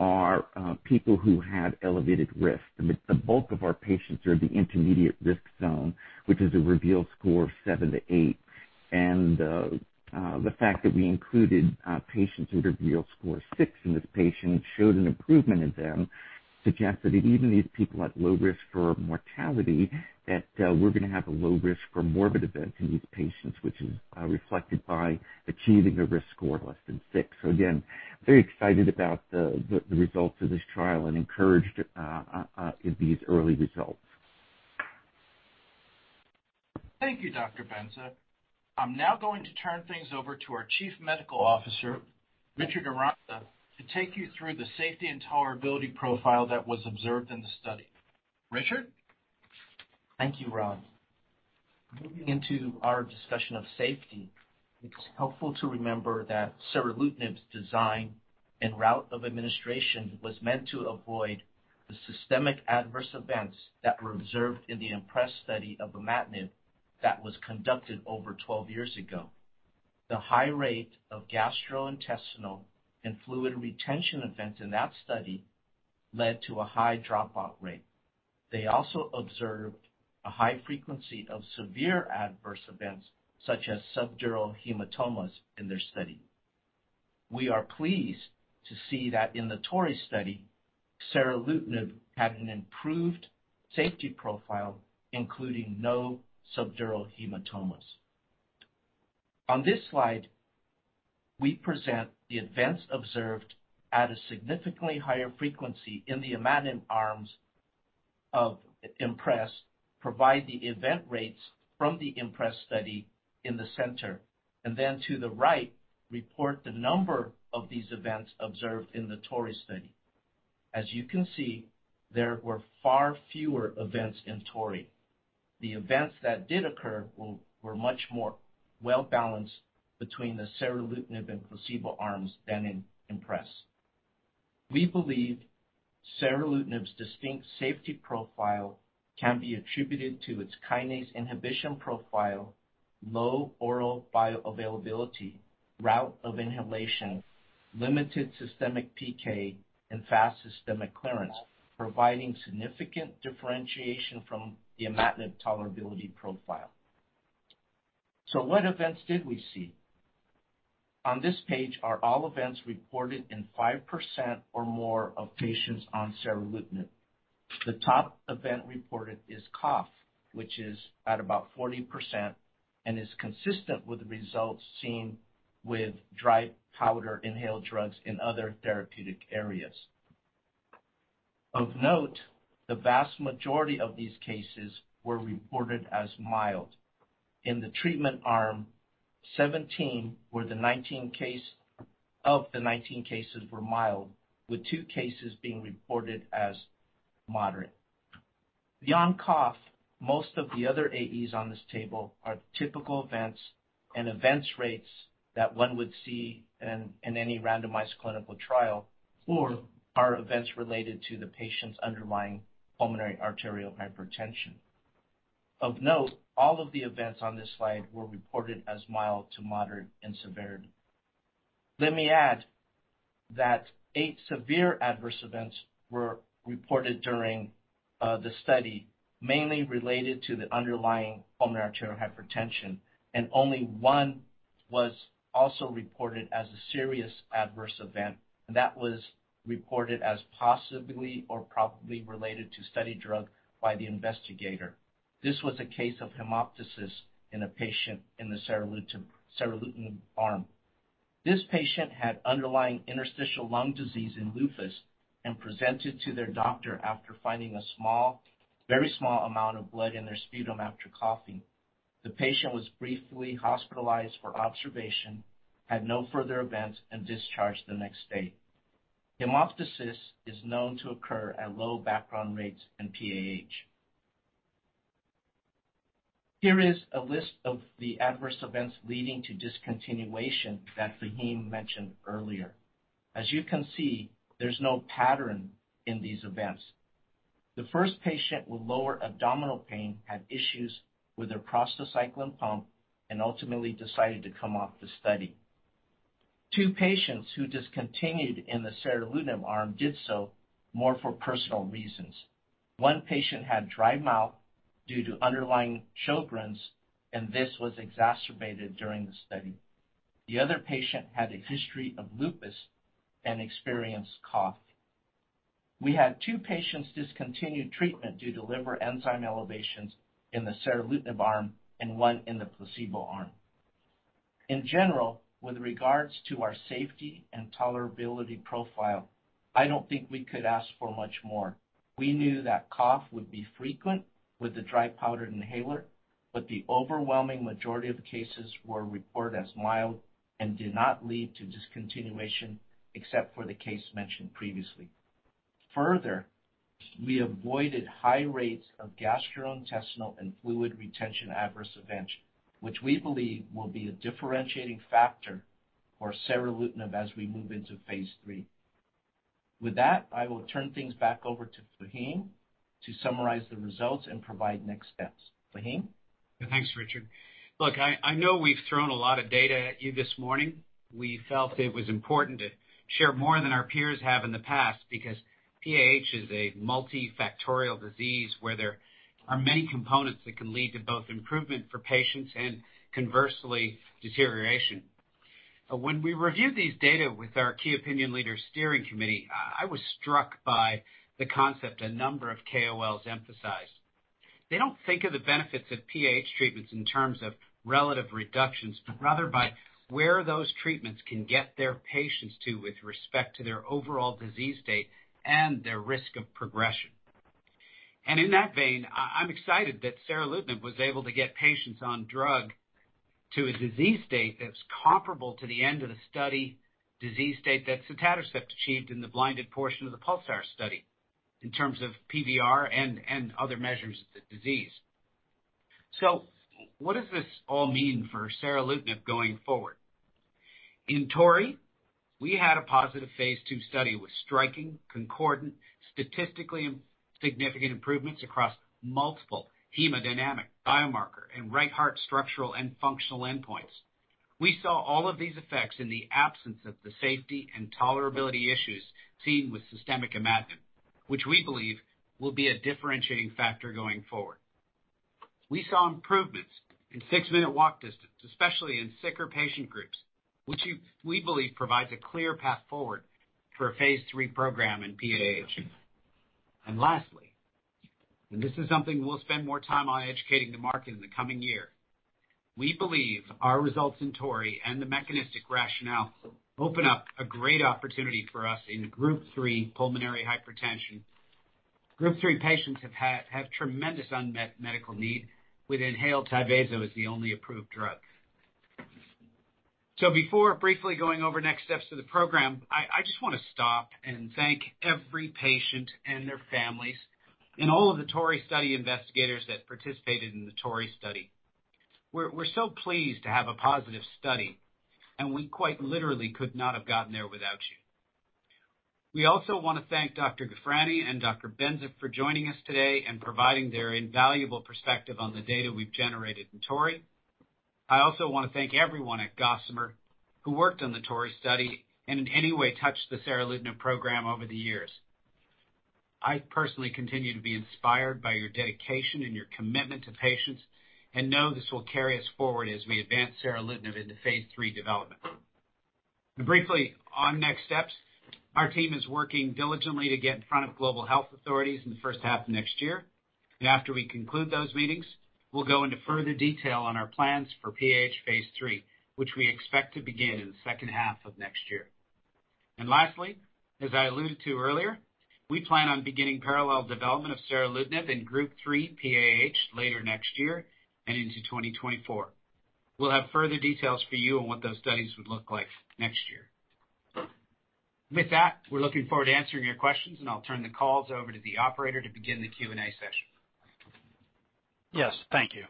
are people who have elevated risk. the bulk of our patients are the intermediate risk zone, which is a REVEAL score of seven-eight. The fact that we included patients with REVEAL score six in this patient showed an improvement in them, suggests that even these people at low risk for mortality, that we're gonna have a low risk for morbid events in these patients, which is reflected by achieving a risk score less than six. Again, very excited about the results of this trial and encouraged in these early results. Thank you, Dr. Benza. I'm now going to turn things over to our Chief Medical Officer, Richard Aranda, to take you through the safety and tolerability profile that was observed in the study. Richard? Thank you, Rob. Moving into our discussion of safety, it's helpful to remember that seralutinib's design and route of administration was meant to avoid the systemic adverse events that were observed in the IMPRES study of imatinib that was conducted over 12 years ago. The high rate of gastrointestinal and fluid retention events in that study led to a high dropout rate. They also observed a high frequency of severe adverse events, such as subdural hematomas in their study. We are pleased to see that in the TORREY study, seralutinib had an improved safety profile, including no subdural hematomas. On this slide, we present the events observed at a significantly higher frequency in the imatinib arms of IMPRES, provide the event rates from the IMPRES study in the center, and then to the right, report the number of these events observed in the TORREY study. As you can see, there were far fewer events in TORREY. The events that did occur were much more well-balanced between the seralutinib and placebo arms than in IMPRES. We believe seralutinib's distinct safety profile can be attributed to its kinase inhibition profile, low oral bioavailability, route of inhalation, limited systemic PK, and fast systemic clearance, providing significant differentiation from the imatinib tolerability profile. What events did we see? On this page are all events reported in 5% or more of patients on seralutinib. The top event reported is cough, which is at about 40%, and is consistent with the results seen with dry powder inhaled drugs in other therapeutic areas. Of note, the vast majority of these cases were reported as mild. In the treatment arm, 17 of the 19 cases were mild, with two cases being reported as moderate. Beyond cough, most of the other AEs on this table are typical events and events rates that one would see in any randomized clinical trial or are events related to the patient's underlying pulmonary arterial hypertension. Of note, all of the events on this slide were reported as mild to moderate in severity. Let me add that 8 severe adverse events were reported during the study, mainly related to the underlying pulmonary arterial hypertension, and only one was also reported as a serious adverse event. That was reported as possibly or probably related to study drug by the investigator. This was a case of hemoptysis in a patient in the seralutinib arm. This patient had underlying interstitial lung disease and lupus and presented to their doctor after finding a small, very small amount of blood in their sputum after coughing. The patient was briefly hospitalized for observation, had no further events, and discharged the next day. Hemoptysis is known to occur at low background rates in PAH. Here is a list of the adverse events leading to discontinuation that Faheem mentioned earlier. As you can see, there's no pattern in these events. The first patient with lower abdominal pain had issues with their prostacyclin pump and ultimately decided to come off the study. Two patients who discontinued in the seralutinib arm did so more for personal reasons. One patient had dry mouth due to underlying Sjögren's, and this was exacerbated during the study. The other patient had a history of lupus and experienced cough. We had two patients discontinue treatment due to liver enzyme elevations in the seralutinib arm and one in the placebo arm. In general, with regards to our safety and tolerability profile, I don't think we could ask for much more. We knew that cough would be frequent with the dry powder inhaler, but the overwhelming majority of cases were reported as mild and did not lead to discontinuation except for the case mentioned previously. Further, we avoided high rates of gastrointestinal and fluid retention adverse events, which we believe will be a differentiating factor for seralutinib as we move into phase three. With that, I will turn things back over to Fahim to summarize the results and provide next steps. Fahim? Thanks, Richard. Look, I know we've thrown a lot of data at you this morning. We felt it was important to share more than our peers have in the past because PAH is a multifactorial disease where there are many components that can lead to both improvement for patients and conversely, deterioration. When we reviewed these data with our key opinion leader steering committee, I was struck by the concept a number of KOLs emphasized. They don't think of the benefits of PAH treatments in terms of relative reductions, but rather by where those treatments can get their patients to with respect to their overall disease state and their risk of progression. In that vein, I'm excited that Seralutinib was able to get patients on drug to a disease state that's comparable to the end of the study disease state that sotatercept achieved in the blinded portion of the PULSAR study in terms of PVR and other measures of the disease. What does this all mean for Seralutinib going forward? In TORREY, we had a positive phase two study with striking, concordant, statistically significant improvements across multiple hemodynamic biomarker and right heart structural and functional endpoints. We saw all of these effects in the absence of the safety and tolerability issues seen with systemic Imatinib, which we believe will be a differentiating factor going forward. We saw improvements in six-minute walk distance, especially in sicker patient groups, which we believe provides a clear path forward for a phase three program in PAH. Lastly, this is something we'll spend more time on educating the market in the coming year, we believe our results in TORREY and the mechanistic rationale open up a great opportunity for us in Group 3 pulmonary hypertension. Group three patients have tremendous unmet medical need with inhaled Tyvaso as the only approved drug. Before briefly going over next steps to the program, I just wanna stop and thank every patient and their families and all of the TORREY study investigators that participated in the TORREY study. We're so pleased to have a positive study, and we quite literally could not have gotten there without you. We also want to thank Dr. Ghofrani and Dr. Benza for joining us today and providing their invaluable perspective on the data we've generated in TORREY. I also want to thank everyone at Gossamer who worked on the TORREY study and in any way touched the Seralutinib program over the years. I personally continue to be inspired by your dedication and your commitment to patients, and know this will carry us forward as we advance Seralutinib into phase three development. Briefly on next steps, our team is working diligently to get in front of global health authorities in the H1 of next year. After we conclude those meetings, we'll go into further detail on our plans for PAH phase three, which we expect to begin in the H2 of next year. Lastly, as I alluded to earlier, we plan on beginning parallel development of Seralutinib in group three PAH later next year and into 2024. We'll have further details for you on what those studies would look like next year. With that, we're looking forward to answering your questions, and I'll turn the calls over to the operator to begin the Q&A session. Yes, thank you.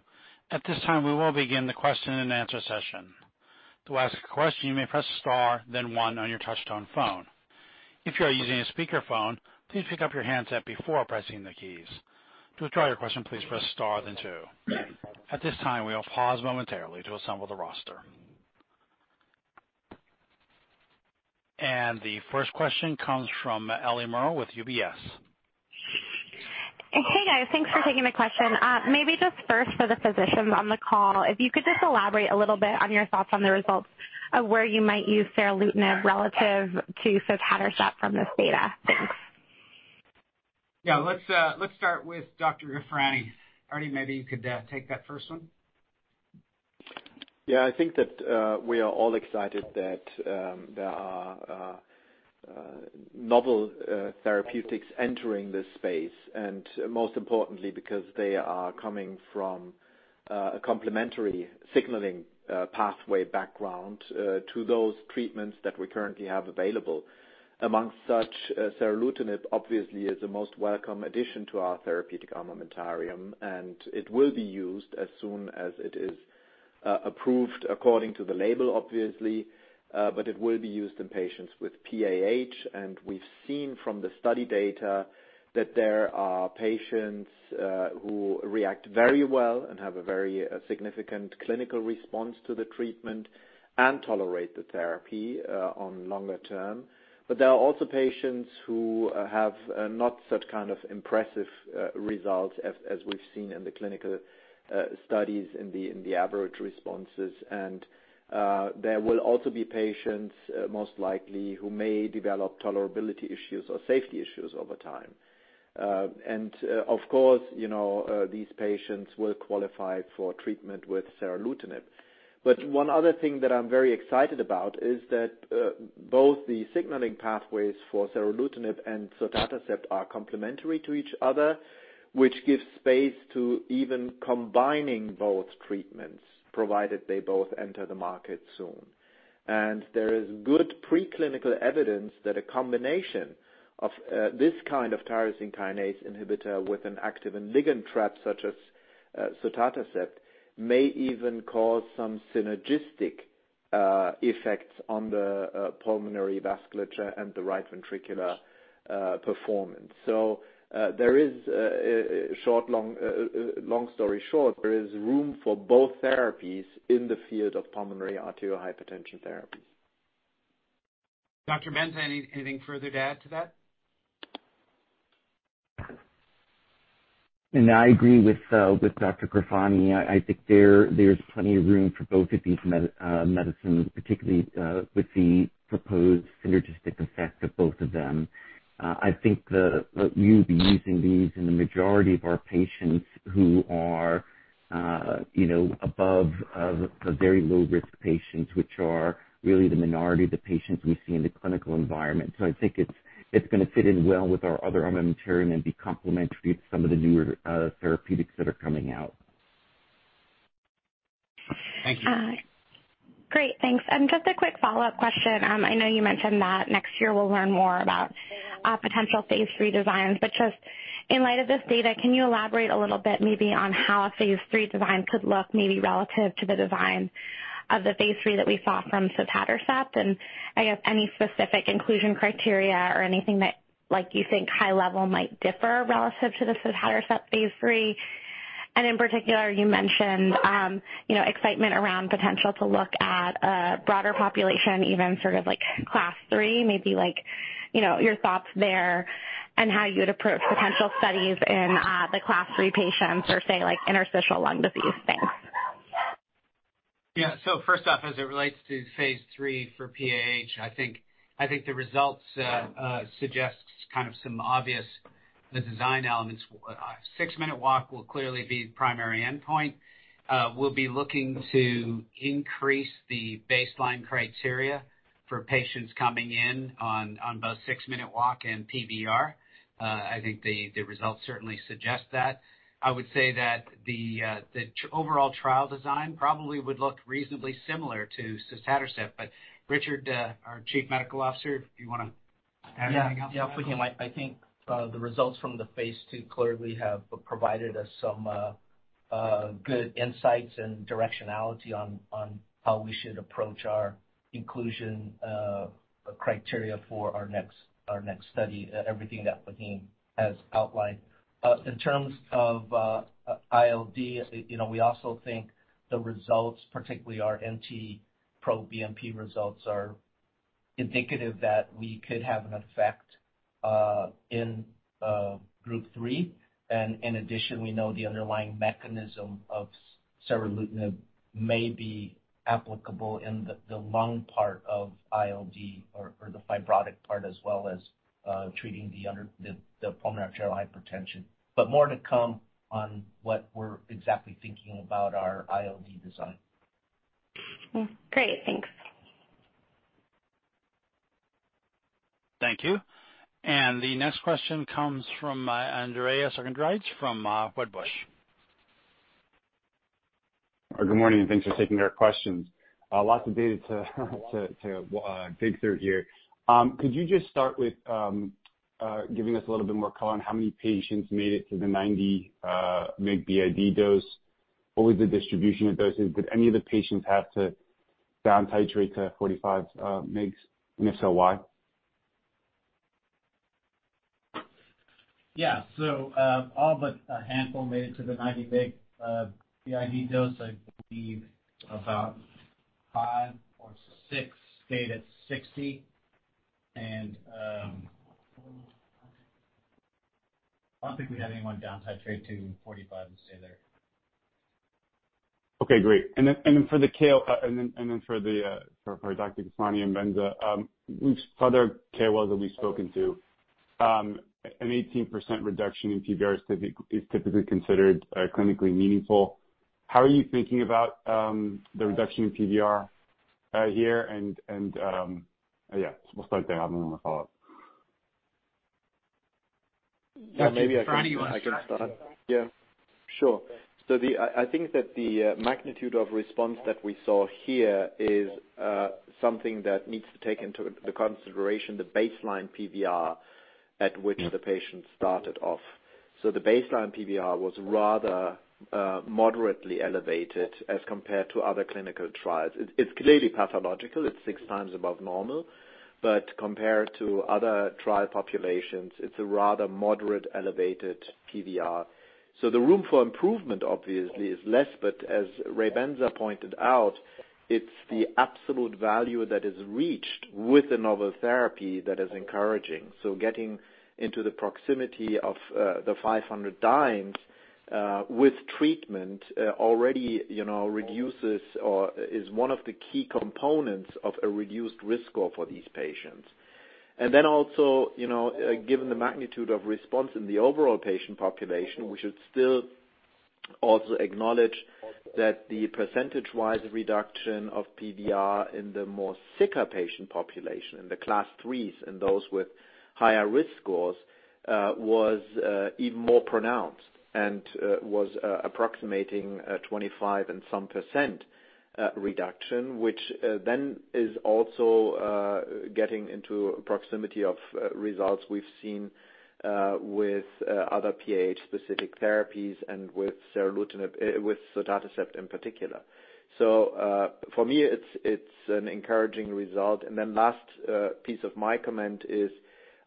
At this time, we will begin the question-and-answer session. To ask a question, you may press star then one on your touchtone phone. If you are using a speakerphone, please pick up your handset before pressing the keys. To withdraw your question, please press star then two. At this time, we will pause momentarily to assemble the roster. The first question comes from Eliana Merle with UBS. Hey, guys. Thanks for taking the question. Maybe just first for the physicians on the call, if you could just elaborate a little bit on your thoughts on the results of where you might use Seralutinib relative to Sotatercept from this data. Thanks. Yeah. Let's, let's start with Dr. Ghofrani. Arnie, maybe you could take that first one. Yeah. I think that we are all excited that there are novel therapeutics entering this space, most importantly because they are coming from a complementary signaling pathway background to those treatments that we currently have available. Amongst such, Seralutinib obviously is the most welcome addition to our therapeutic armamentarium, it will be used as soon as it is approved according to the label, obviously. It will be used in patients with PAH. We've seen from the study data that there are patients who react very well and have a very significant clinical response to the treatment and tolerate the therapy on longer term. There are also patients who have not such kind of impressive results as we've seen in the clinical studies in the average responses. There will also be patients most likely who may develop tolerability issues or safety issues over time. Of course, you know, these patients will qualify for treatment with Seralutinib. One other thing that I'm very excited about is that both the signaling pathways for Seralutinib and sotatercept are complementary to each other, which gives space to even combining both treatments provided they both enter the market soon. There is good preclinical evidence that a combination of this kind of tyrosine kinase inhibitor with an activin signaling inhibitor such as sotatercept, may even cause some synergistic effects on the pulmonary vasculature and the right ventricular performance. There is long story short, there is room for both therapies in the field of pulmonary arterial hypertension therapies. Dr. Benza, anything further to add to that? I agree with Dr. Ghofrani. I think there's plenty of room for both of these medicines, particularly with the proposed synergistic effect of both of them. I think we'll be using these in the majority of our patients who are, you know, above the very low risk patients, which are really the minority of the patients we see in the clinical environment. I think it's gonna fit in well with our other armamentarium and be complementary to some of the newer therapeutics that are coming out. Thank you. Great. Thanks. Just a quick follow-up question. I know you mentioned that next year we'll learn more about potential phase three designs, but just in light of this data, can you elaborate a little bit maybe on how a phase three design could look, maybe relative to the design of the phase three that we saw from Sotatercept? I guess any specific inclusion criteria or anything that, like, you think high level might differ relative to the Sotatercept phase three. In particular, you mentioned, you know, excitement around potential to look at a broader population, even sort of like class three, maybe like, you know, your thoughts there and how you would approach potential studies in the class three patients or say, like, interstitial lung disease. Thanks. First off, as it relates to phase three for PAH, I think, the results suggests kind of some obvious the design elements. Six-minute walk will clearly be the primary endpoint. We'll be looking to increase the baseline criteria for patients coming in on both six-minute walk and PVR. I think the results certainly suggest that. I would say that the overall trial design probably would look reasonably similar to sotatercept. Richard, our Chief Medical Officer, do you wanna add anything else to that? Yeah, Fahim. I think the results from the Phase two clearly have provided us some good insights and directionality on how we should approach our inclusion criteria for our next study. Everything that Fahim has outlined. In terms of ILD, you know, we also think the results, particularly our NT-proBNP results, are indicative that we could have an effect in Group three. In addition, we know the underlying mechanism of Seralutinib may be applicable in the lung part of ILD or the fibrotic part, as well as treating the pulmonary arterial hypertension. More to come on what we're exactly thinking about our ILD design. Great. Thanks. Thank you. The next question comes from Andreas Argyrides from Wedbush Securities. Good morning. Thanks for taking our questions. lots of data to dig through here. Could you just start with giving us a little bit more color on how many patients made it to the 90 mg BID dose? What was the distribution of doses? Did any of the patients have to down titrate to 45 mgs, and if so, why? Yeah. All but a handful made it to the 90 mg BID dose. I believe about five or six stayed at 60 and I don't think we had anyone down titrate to 45 and stay there. Okay, great. Then for Dr. Ardi Ghofrani and Ray Benza, which other KOLs have we spoken to, an 18% reduction in PVR is typically considered clinically meaningful. How are you thinking about the reduction in PVR here and, yeah, we'll start there? I don't want to follow up. Yeah. Maybe I can- For any of you who want to try. I can start. Yeah, sure. I think that the magnitude of response that we saw here is something that needs to take into the consideration the baseline PVR at which the patient started off. The baseline PVR was rather moderately elevated as compared to other clinical trials. It's clearly pathological. It's 6 times above normal, but compared to other trial populations, it's a rather moderate elevated PVR. The room for improvement obviously is less, but as Ray Benza pointed out, it's the absolute value that is reached with the novel therapy that is encouraging. Getting into the proximity of the 500 dimes with treatment already, you know, reduces or is one of the key components of a reduced risk score for these patients. You know, given the magnitude of response in the overall patient population, we should still also acknowledge that the percentage-wise reduction of PVR in the more sicker patient population, in the class 3s and those with higher risk scores, was even more pronounced and was approximating 25% reduction, which then is also getting into proximity of results we've seen with other PH-specific therapies and with seralutinib with sotatercept in particular. For me, it's an encouraging result. Piece of my comment is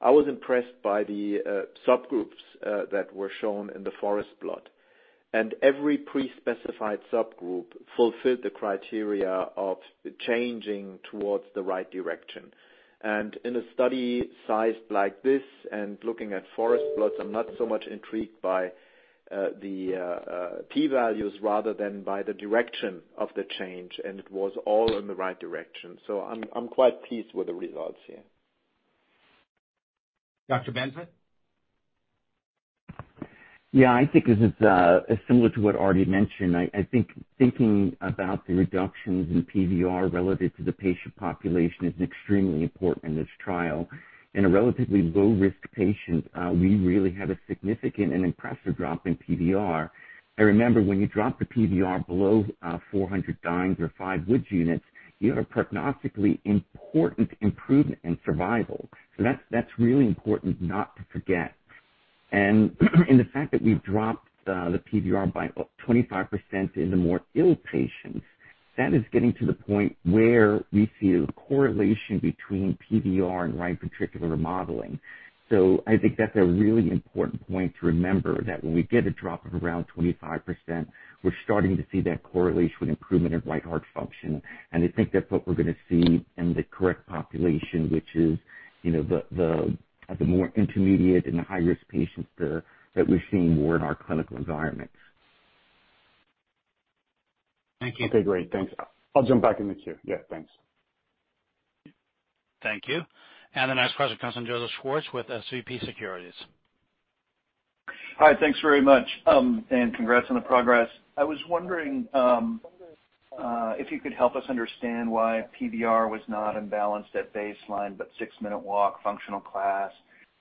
I was impressed by the subgroups that were shown in the forest plot, and every pre-specified subgroup fulfilled the criteria of changing towards the right direction. In a study sized like this and looking at forest plots, I'm not so much intrigued by the P values rather than by the direction of the change, and it was all in the right direction. I'm quite pleased with the results here. Dr. Benza. Yeah. I think this is similar to what Ardi mentioned. I think thinking about the reductions in PVR relative to the patient population is extremely important in this trial. In a relatively low-risk patient, we really have a significant and impressive drop in PVR. Remember, when you drop the PVR below, 400 dines or 5 Wood units, you have a prognostically important improvement in survival. That's really important not to forget. The fact that we've dropped the PVR by 25% in the more ill patients, that is getting to the point where we see a correlation between PVR and right ventricular remodeling. I think that's a really important point to remember, that when we get a drop of around 25%, we're starting to see that correlation improvement in right heart function. I think that's what we're going to see in the correct population, which is, you know, the more intermediate and the high-risk patients there that we're seeing more in our clinical environments. Thank you. Okay, great. Thanks. I'll jump back in the queue. Yeah, thanks. Thank you. The next question comes from Joseph Schwartz with SVB Securities. Hi. Thanks very much. Congrats on the progress. I was wondering if you could help us understand why PVR was not imbalanced at baseline, but six-minute walk, functional class,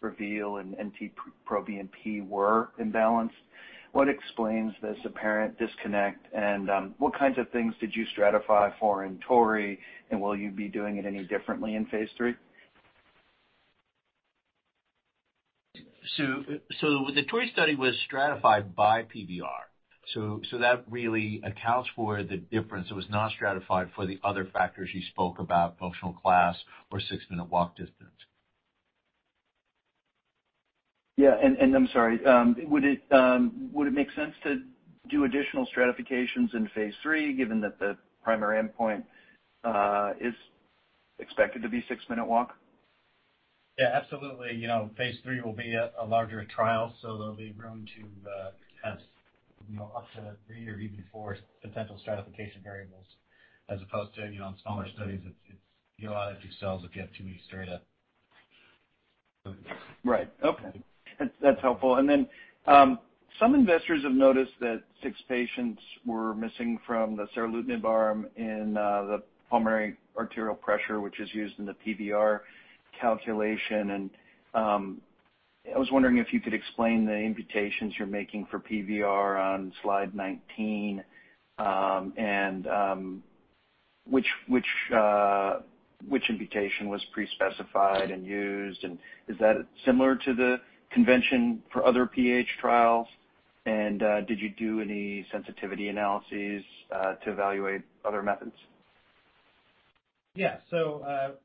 REVEAL and NT-proBNP were imbalanced. What explains this apparent disconnect, and what kinds of things did you stratify for in TORREY, and will you be doing it any differently in phase three? The TORREY study was stratified by PVR. That really accounts for the difference. It was not stratified for the other factors you spoke about, functional class or six-minute walk distance. Yeah. I'm sorry. Would it make sense to do additional stratifications in phase three, given that the primary endpoint is expected to be six-minute walk? Yeah, absolutely. You know, phase three will be a larger trial. There'll be room to test, you know, up to three or even four potential stratification variables, as opposed to, you know, in smaller studies, it's, you know, out of two cells if you have too many strata. Right. Okay. That's helpful. Then, some investors have noticed that six patients were missing from the seralutinib arm in the pulmonary arterial pressure, which is used in the PVR calculation. I was wondering if you could explain the imputations you're making for PVR on slide 19, and which imputation was pre-specified and used, and is that similar to the convention for other PH trials? Did you do any sensitivity analyses to evaluate other methods? Yeah.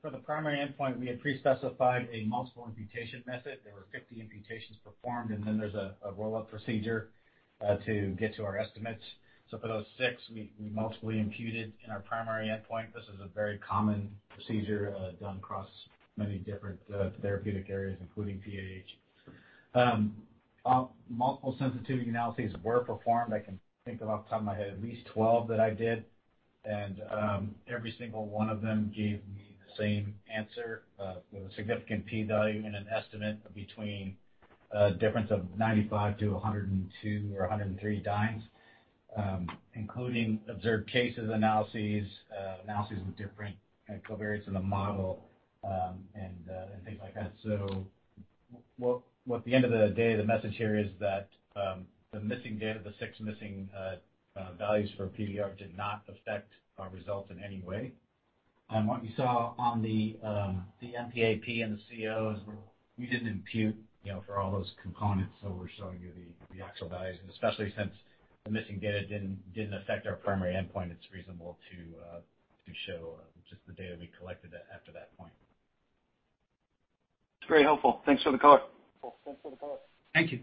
For the primary endpoint, we had pre-specified a multiple imputation method. There were 50 imputations performed, and then there's a roll-up procedure to get to our estimates. For those 6, we multiply imputed in our primary endpoint. This is a very common procedure done across many different therapeutic areas, including PH. Multiple sensitivity analyses were performed. I can think of off the top of my head at least 12 that I did. Every single one of them gave me the same answer, with a significant P value and an estimate between a difference of 95 to 102 or 103 dimes, including observed cases, analyses with different covariates in the model, and things like that. What at the end of the day, the message here is that the missing data, the six missing values for PVR did not affect our results in any way. What you saw on the MPAP and the COs were we didn't impute, you know, for all those components. We're showing you the actual values. Especially since the missing data didn't affect our primary endpoint, it's reasonable to show just the data we collected after that point. It's very helpful. Thanks for the color. Thank you.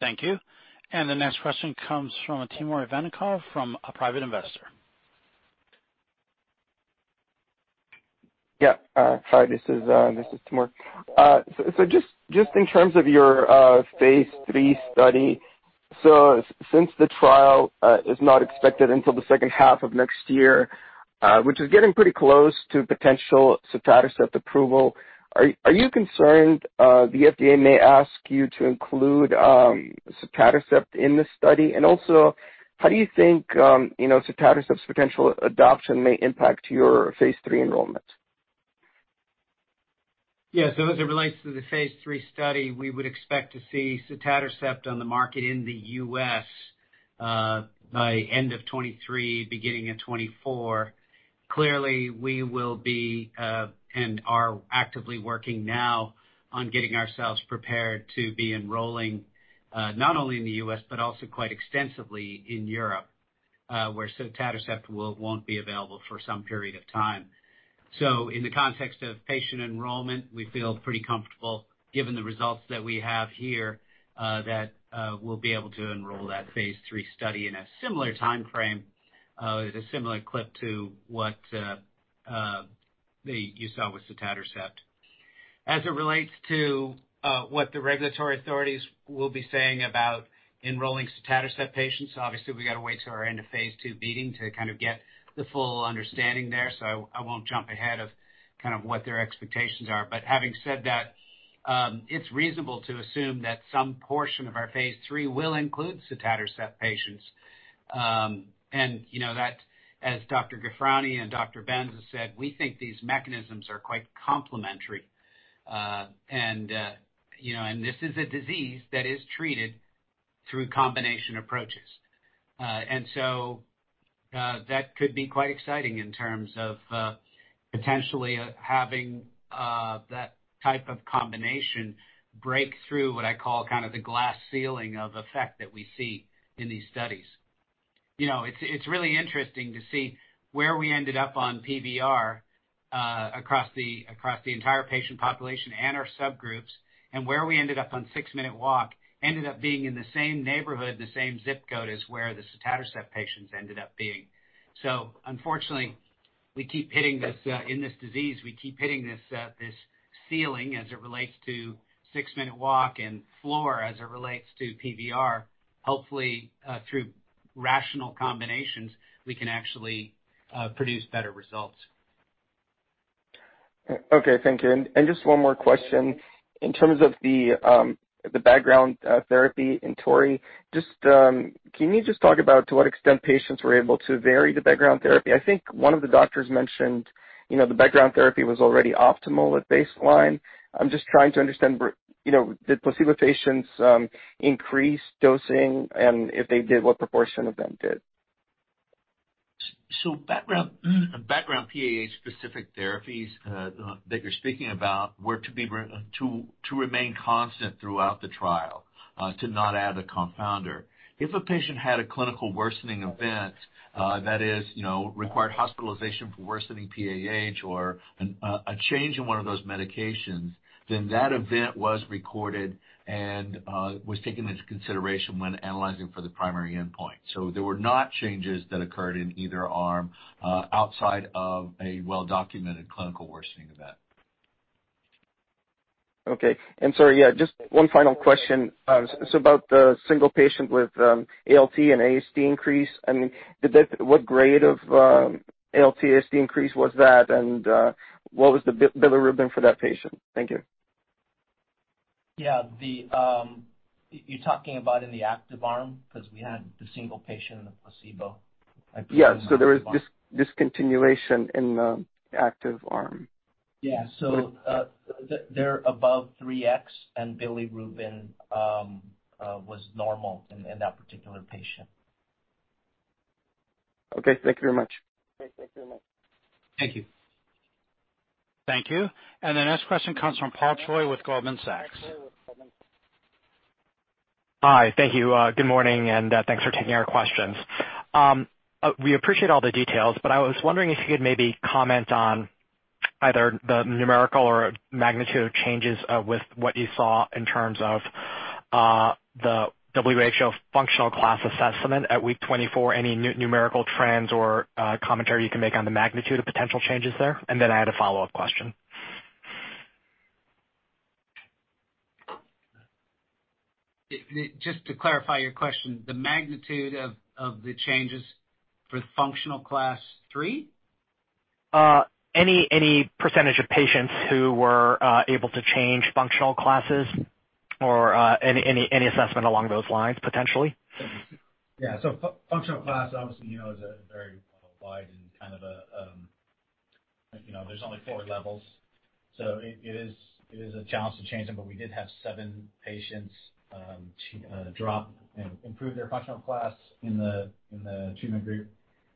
Thank you. The next question comes from Timur Vanikov from Private Investor. Yeah. Hi, this is Timur. Just in terms of your Phase three study, since the trial is not expected until the H2 of next year, which is getting pretty close to potential sotatercept approval, are you concerned the FDA may ask you to include sotatercept in this study? Also, how do you think, you know, sotatercept's potential adoption may impact your Phase three enrollment? As it relates to the phase three study, we would expect to see sotatercept on the market in the U.S. by end of 2023, beginning of 2024. Clearly, we will be and are actively working now on getting ourselves prepared to be enrolling not only in the U.S., but also quite extensively in Europe, where sotatercept won't be available for some period of time. In the context of patient enrollment, we feel pretty comfortable given the results that we have here, that we'll be able to enroll that phase 3 study in a similar timeframe, at a similar clip to what you saw with sotatercept. As it relates to, what the regulatory authorities will be saying about enrolling sotatercept patients, obviously, we gotta wait till our end of phase two meeting to kind of get the full understanding there. I won't jump ahead of kind of what their expectations are. Having said that, it's reasonable to assume that some portion of our phase three will include sotatercept patients. You know, that as Dr. Ghofrani and Dr. Benza has said, we think these mechanisms are quite complementary. You know, and this is a disease that is treated through combination approaches. That could be quite exciting in terms of, potentially, having, that type of combination break through what I call kind of the glass ceiling of effect that we see in these studies. You know, it's really interesting to see where we ended up on PVR across the entire patient population and our subgroups, and where we ended up on six-minute walk ended up being in the same neighborhood, the same zip code as where the sotatercept patients ended up being. Unfortunately, we keep hitting this in this disease, we keep hitting this ceiling as it relates to six-minute walk and floor as it relates to PVR. Hopefully, through rational combinations, we can actually produce better results. Okay. Thank you. Just one more question. In terms of the background therapy in TORREY, just can you just talk about to what extent patients were able to vary the background therapy? I think one of the doctors mentioned, you know, the background therapy was already optimal at baseline. I'm just trying to understand you know, did placebo patients increase dosing? If they did, what proportion of them did? Background PAH specific therapies that you're speaking about were to remain constant throughout the trial, to not add a confounder. If a patient had a clinical worsening event, that is, you know, required hospitalization for worsening PAH or a change in one of those medications, then that event was recorded and was taken into consideration when analyzing for the primary endpoint. There were not changes that occurred in either arm outside of a well-documented clinical worsening event. Okay. Sorry, yeah, just one final question. It's about the single patient with ALT and AST increase. I mean, what grade of ALT, AST increase was that? What was the bilirubin for that patient? Thank you. You're talking about in the active arm 'cause we had the single patient in the placebo. Yeah. There was discontinuation in the active arm. Yeah. They're above 3x and bilirubin was normal in that particular patient. Okay. Thank you very much. Thank you. Thank you. The next question comes from Paul Choi with Goldman Sachs. Hi. Thank you. Good morning and thanks for taking our questions. We appreciate all the details, but I was wondering if you could maybe comment on either the numerical or magnitude of changes with what you saw in terms of the WHO functional class assessment at week 24, any numerical trends or commentary you can make on the magnitude of potential changes there? I had a follow-up question. Just to clarify your question, the magnitude of the changes for functional class three? Any percentage of patients who were able to change functional classes or any assessment along those lines, potentially. Yeah. Functional class, obviously, you know, is a very wide and kind of a, you know, there's only 4 levels. It is a challenge to change them, but we did have seven patients drop and improve their functional class in the treatment group,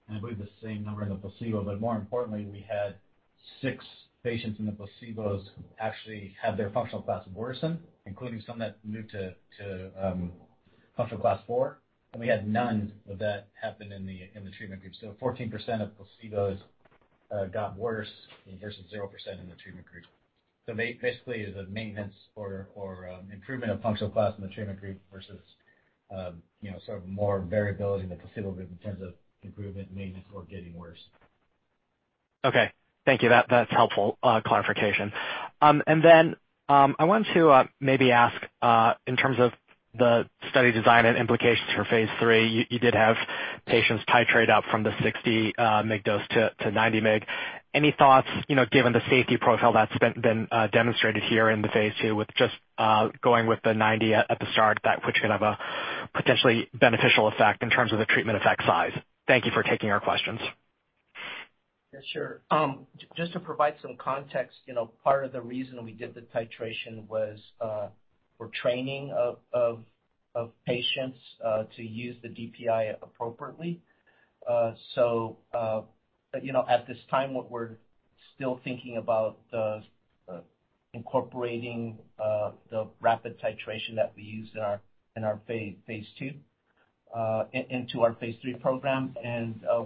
and I believe the same number in the placebo. More importantly, we had 6 patients in the placebos actually have their functional class worsen, including some that moved to functional class 4. We had none of that happen in the treatment group. 14% of placebos got worse, and versus 0% in the treatment group. Basically, the maintenance or improvement of functional class in the treatment group versus, you know, sort of more variability in the placebo group in terms of improvement, maintenance, or getting worse. Okay. Thank you. That's helpful clarification. I wanted to maybe ask in terms of the study design and implications for phase three, you did have patients titrate up from the 60 mg dose to 90 mg. Any thoughts, you know, given the safety profile that's been demonstrated here in the phase two with just going with the 90 at the start, which could have a potentially beneficial effect in terms of the treatment effect size? Thank you for taking our questions. Yeah, sure. just to provide some context, you know, part of the reason we did the titration was for training of patients to use the DPI appropriately. you know, at this time, what we're still thinking about incorporating the rapid titration that we used in our phase two into our phase three program.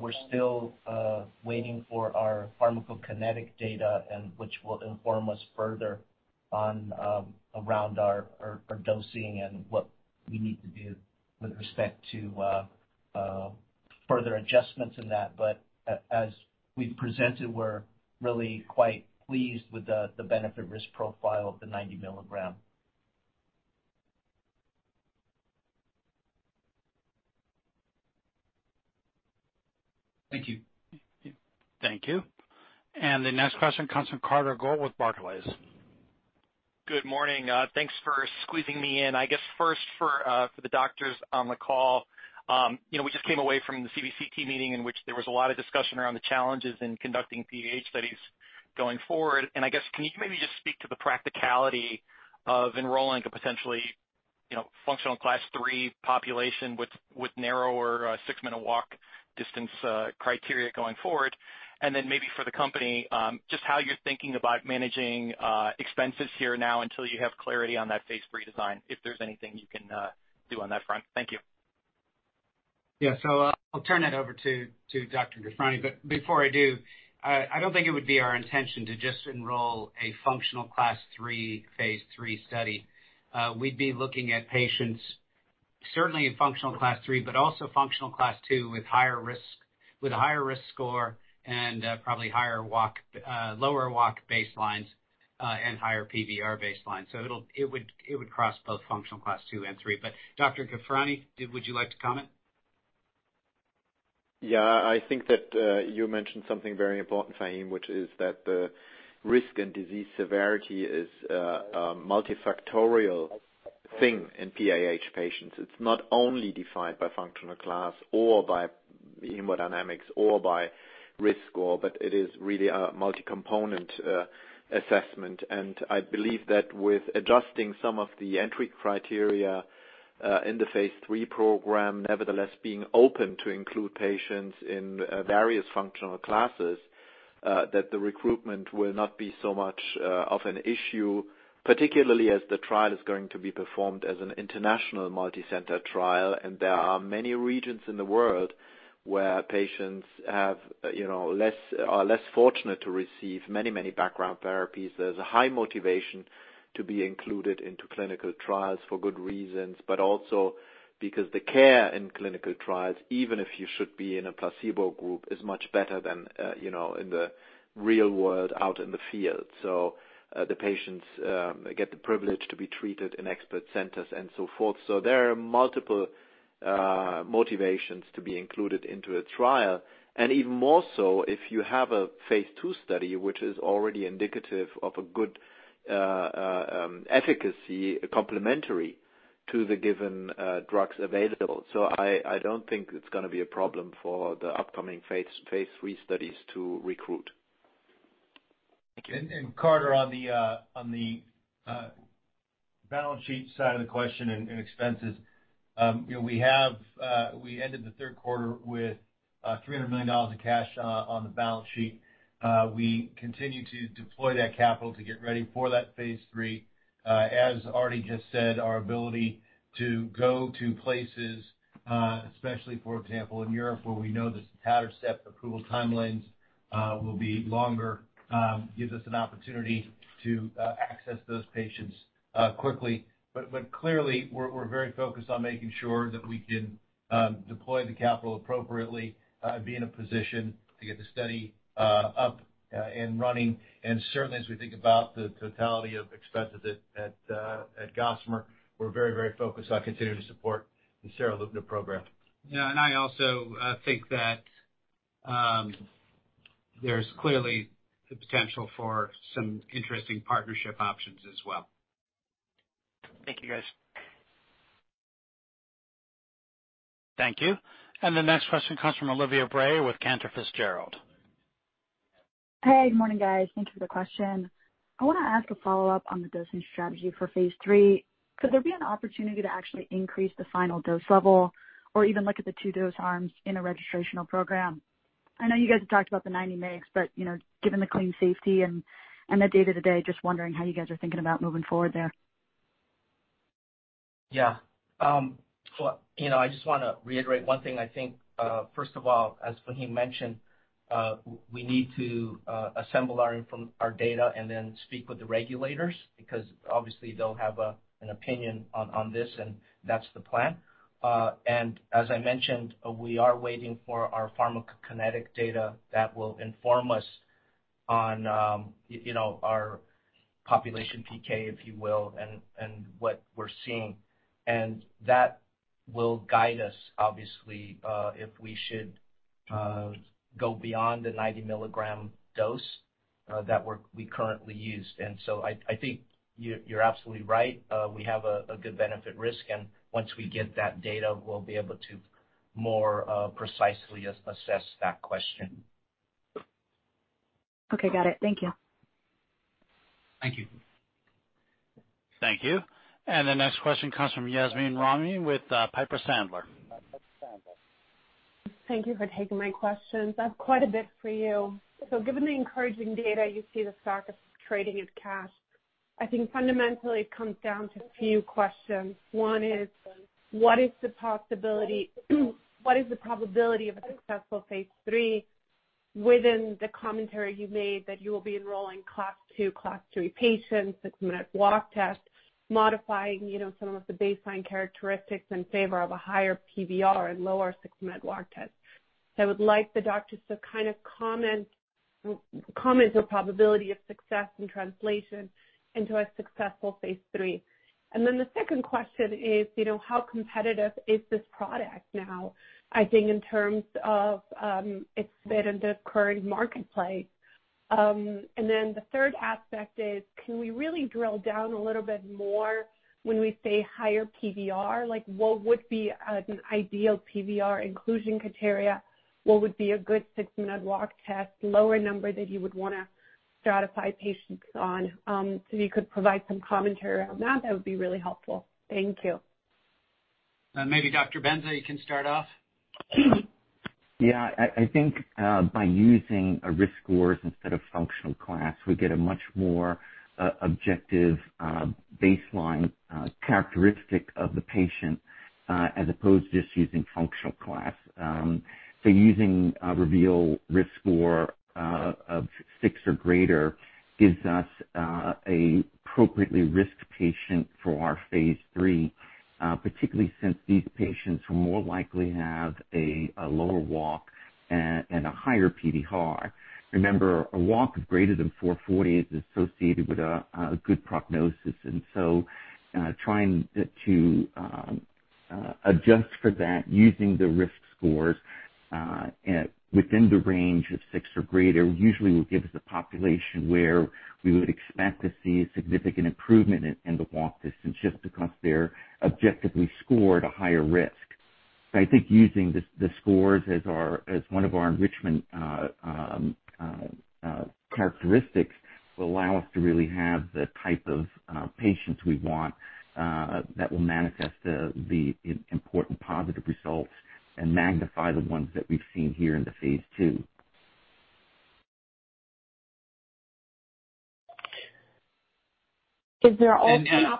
We're still waiting for our pharmacokinetic data and which will inform us further on around our dosing and what we need to do with respect to further adjustments in that. As we presented, we're really quite pleased with the benefit risk profile of the 90 milligram. Thank you. Thank you. The next question comes from Carter Gould with Barclays. Good morning. Thanks for squeezing me in. I guess first for the doctors on the call, you know, we just came away from the CHEST meeting in which there was a lot of discussion around the challenges in conducting PAH studies going forward. I guess, can you maybe just speak to the practicality of enrolling a potentially, you know, functional Class three population with narrower, six-minute walk distance, criteria going forward? Then maybe for the company, just how you're thinking about managing, expenses here now until you have clarity on that phase redesign, if there's anything you can, do on that front. Thank you. I'll turn it over to Dr. Gafrani. Before I do, I don't think it would be our intention to just enroll a functional Class three phase three study. We'd be looking at patients certainly in functional Class three, but also functional Class two with higher risk, with a higher risk score and probably higher walk, lower walk baselines, and higher PVR baseline. It would cross both functional Class two and three. Dr. Gafrani, would you like to comment? Yeah. I think that, you mentioned something very important, Fahim, which is that the risk and disease severity is a multifactorial thing in PAH patients. It's not only defined by functional class or by hemodynamics or by risk score, but it is really a multicomponent assessment. I believe that with adjusting some of the entry criteria, in the phase three program, nevertheless being open to include patients in various functional classes, that the recruitment will not be so much of an issue, particularly as the trial is going to be performed as an international multi-center trial. There are many regions in the world where patients have, you know, are less fortunate to receive many, many background therapies. There's a high motivation to be included into clinical trials for good reasons, also because the care in clinical trials, even if you should be in a placebo group, is much better than, you know, in the real world out in the field. The patients get the privilege to be treated in expert centers and so forth. There are multiple motivations to be included into a trial. Even more so if you have a phase two study, which is already indicative of a good efficacy complementary to the given drugs available. I don't think it's gonna be a problem for the upcoming phase three studies to recruit. Thank you. Carter, on the balance sheet side of the question in expenses, you know, we have, we ended the Q3 with $300 million of cash on the balance sheet. We continue to deploy that capital to get ready for that phase three. As Ardi just said, our ability to go to places, especially, for example, in Europe, where we know the staggered step approval timelines will be longer, gives us an opportunity to access those patients quickly. Clearly, we're very focused on making sure that we can deploy the capital appropriately, be in a position to get the study up and running. Certainly, as we think about the totality of expenses at Gossamer, we're very focused on continuing to support the Seralutinib program. Yeah. I also think that, there's clearly the potential for some interesting partnership options as well. Thank you, guys. Thank you. The next question comes from Olivia Brayer with Cantor Fitzgerald. Hey, good morning, guys. Thank you for the question. I wanna ask a follow-up on the dosing strategy for phase three. Could there be an opportunity to actually increase the final dose level or even look at the two dose arms in a registrational program? I know you guys have talked about the 90 mgs, but, you know, given the clean safety and the data to date, just wondering how you guys are thinking about moving forward there. Well, you know, I just wanna reiterate one thing, I think, first of all, as Faheem mentioned, we need to assemble our data and then speak with the regulators because obviously they'll have an opinion on this, and that's the plan. As I mentioned, we are waiting for our pharmacokinetic data that will inform us on, you know, our population PK, if you will, and what we're seeing. That will guide us, obviously, if we should go beyond the 90-milligram dose that we currently use. I think you're absolutely right. We have a good benefit risk, and once we get that data, we'll be able to more precisely assess that question. Okay. Got it. Thank you. Thank you. Thank you. The next question comes from Yasmin Kiani with Piper Sandler. Thank you for taking my questions. I have quite a bit for you. Given the encouraging data you see the stock is trading at cash, I think fundamentally it comes down to a few questions. One is what is the probability of a successful phase three within the commentary you made that you will be enrolling Class II, Class III patients, six-minute walk test, modifying, you know, some of the baseline characteristics in favor of a higher PVR and lower six-minute walk test. I would like the doctors to kind of comment the probability of success in translation into a successful phase three. The second question is, you know, how competitive is this product now, I think in terms of its fit in the current marketplace. Then the third aspect is, can we really drill down a little bit more when we say higher PVR? Like, what would be an ideal PVR inclusion criteria? What would be a good six-minute walk test, lower number that you would wanna stratify patients on? You could provide some commentary around that would be really helpful. Thank you. Maybe Dr. Benza, you can start off. Yeah. I think by using risk scores instead of functional class, we get a much more objective baseline characteristic of the patient as opposed just using functional class. So using a REVEAL risk score of six or greater gives us a appropriately risked patient for our phase three, particularly since these patients will more likely have a lower walk and a higher PDHA. Remember, a walk of greater than 440 is associated with a good prognosis. So trying to adjust for that using the risk scores at within the range of 6 or greater usually will give us a population where we would expect to see significant improvement in the walk distance just because they're objectively scored a higher risk. I think using the scores as one of our enrichment characteristics will allow us to really have the type of patients we want that will manifest the important positive results and magnify the ones that we've seen here in the phase two. Is there also- And, and, uh-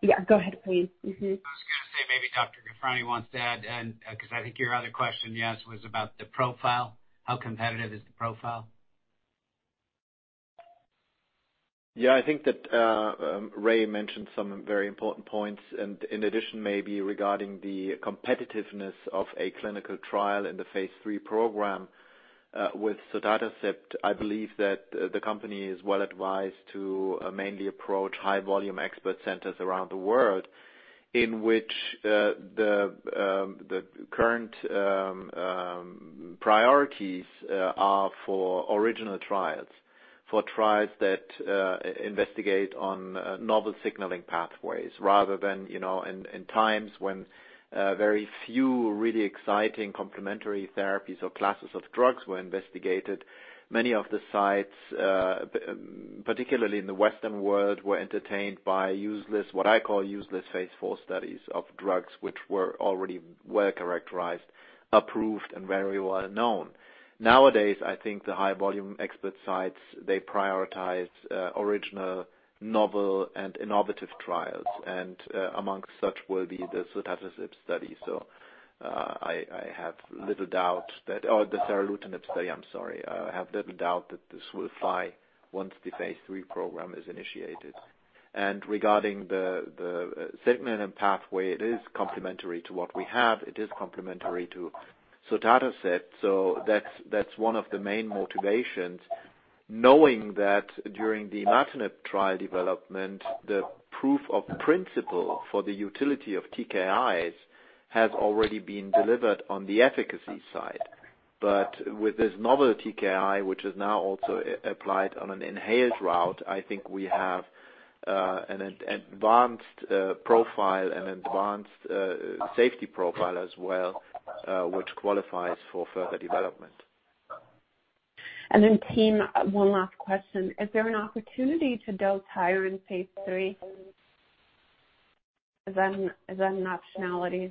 Yeah, go ahead, please. Mm-hmm. I was gonna say maybe Dr. Ghofrani wants to add, and, 'cause I think your other question, Yasmin, was about the profile. How competitive is the profile? Yeah. I think that Ray mentioned some very important points. In addition, maybe regarding the competitiveness of a clinical trial in the phase three program with sotatercept, I believe that the company is well advised to mainly approach high volume expert centers around the world in which the current priorities are for original trials, for trials that investigate on novel signaling pathways rather than, you know, in times when very few really exciting complementary therapies or classes of drugs were investigated. Many of the sites, particularly in the Western world, were entertained by useless, what I call useless phase four studies of drugs, which were already well characterized, approved, and very well known. Nowadays, I think the high volume expert sites, they prioritize original, novel, and innovative trials, and amongst such will be the sotatercept study. I have little doubt that this will fly once the phase three program is initiated. Regarding the segment and pathway, it is complementary to what we have. It is complementary to sotatercept. That's one of the main motivations, knowing that during the Imatinib trial development, the proof of principle for the utility of TKIs has already been delivered on the efficacy side. With this novel TKI, which is now also applied on an inhaled route, I think we have an advanced profile and advanced safety profile as well, which qualifies for further development. Team, one last question. Is there an opportunity to dose higher in phase three than nationalities?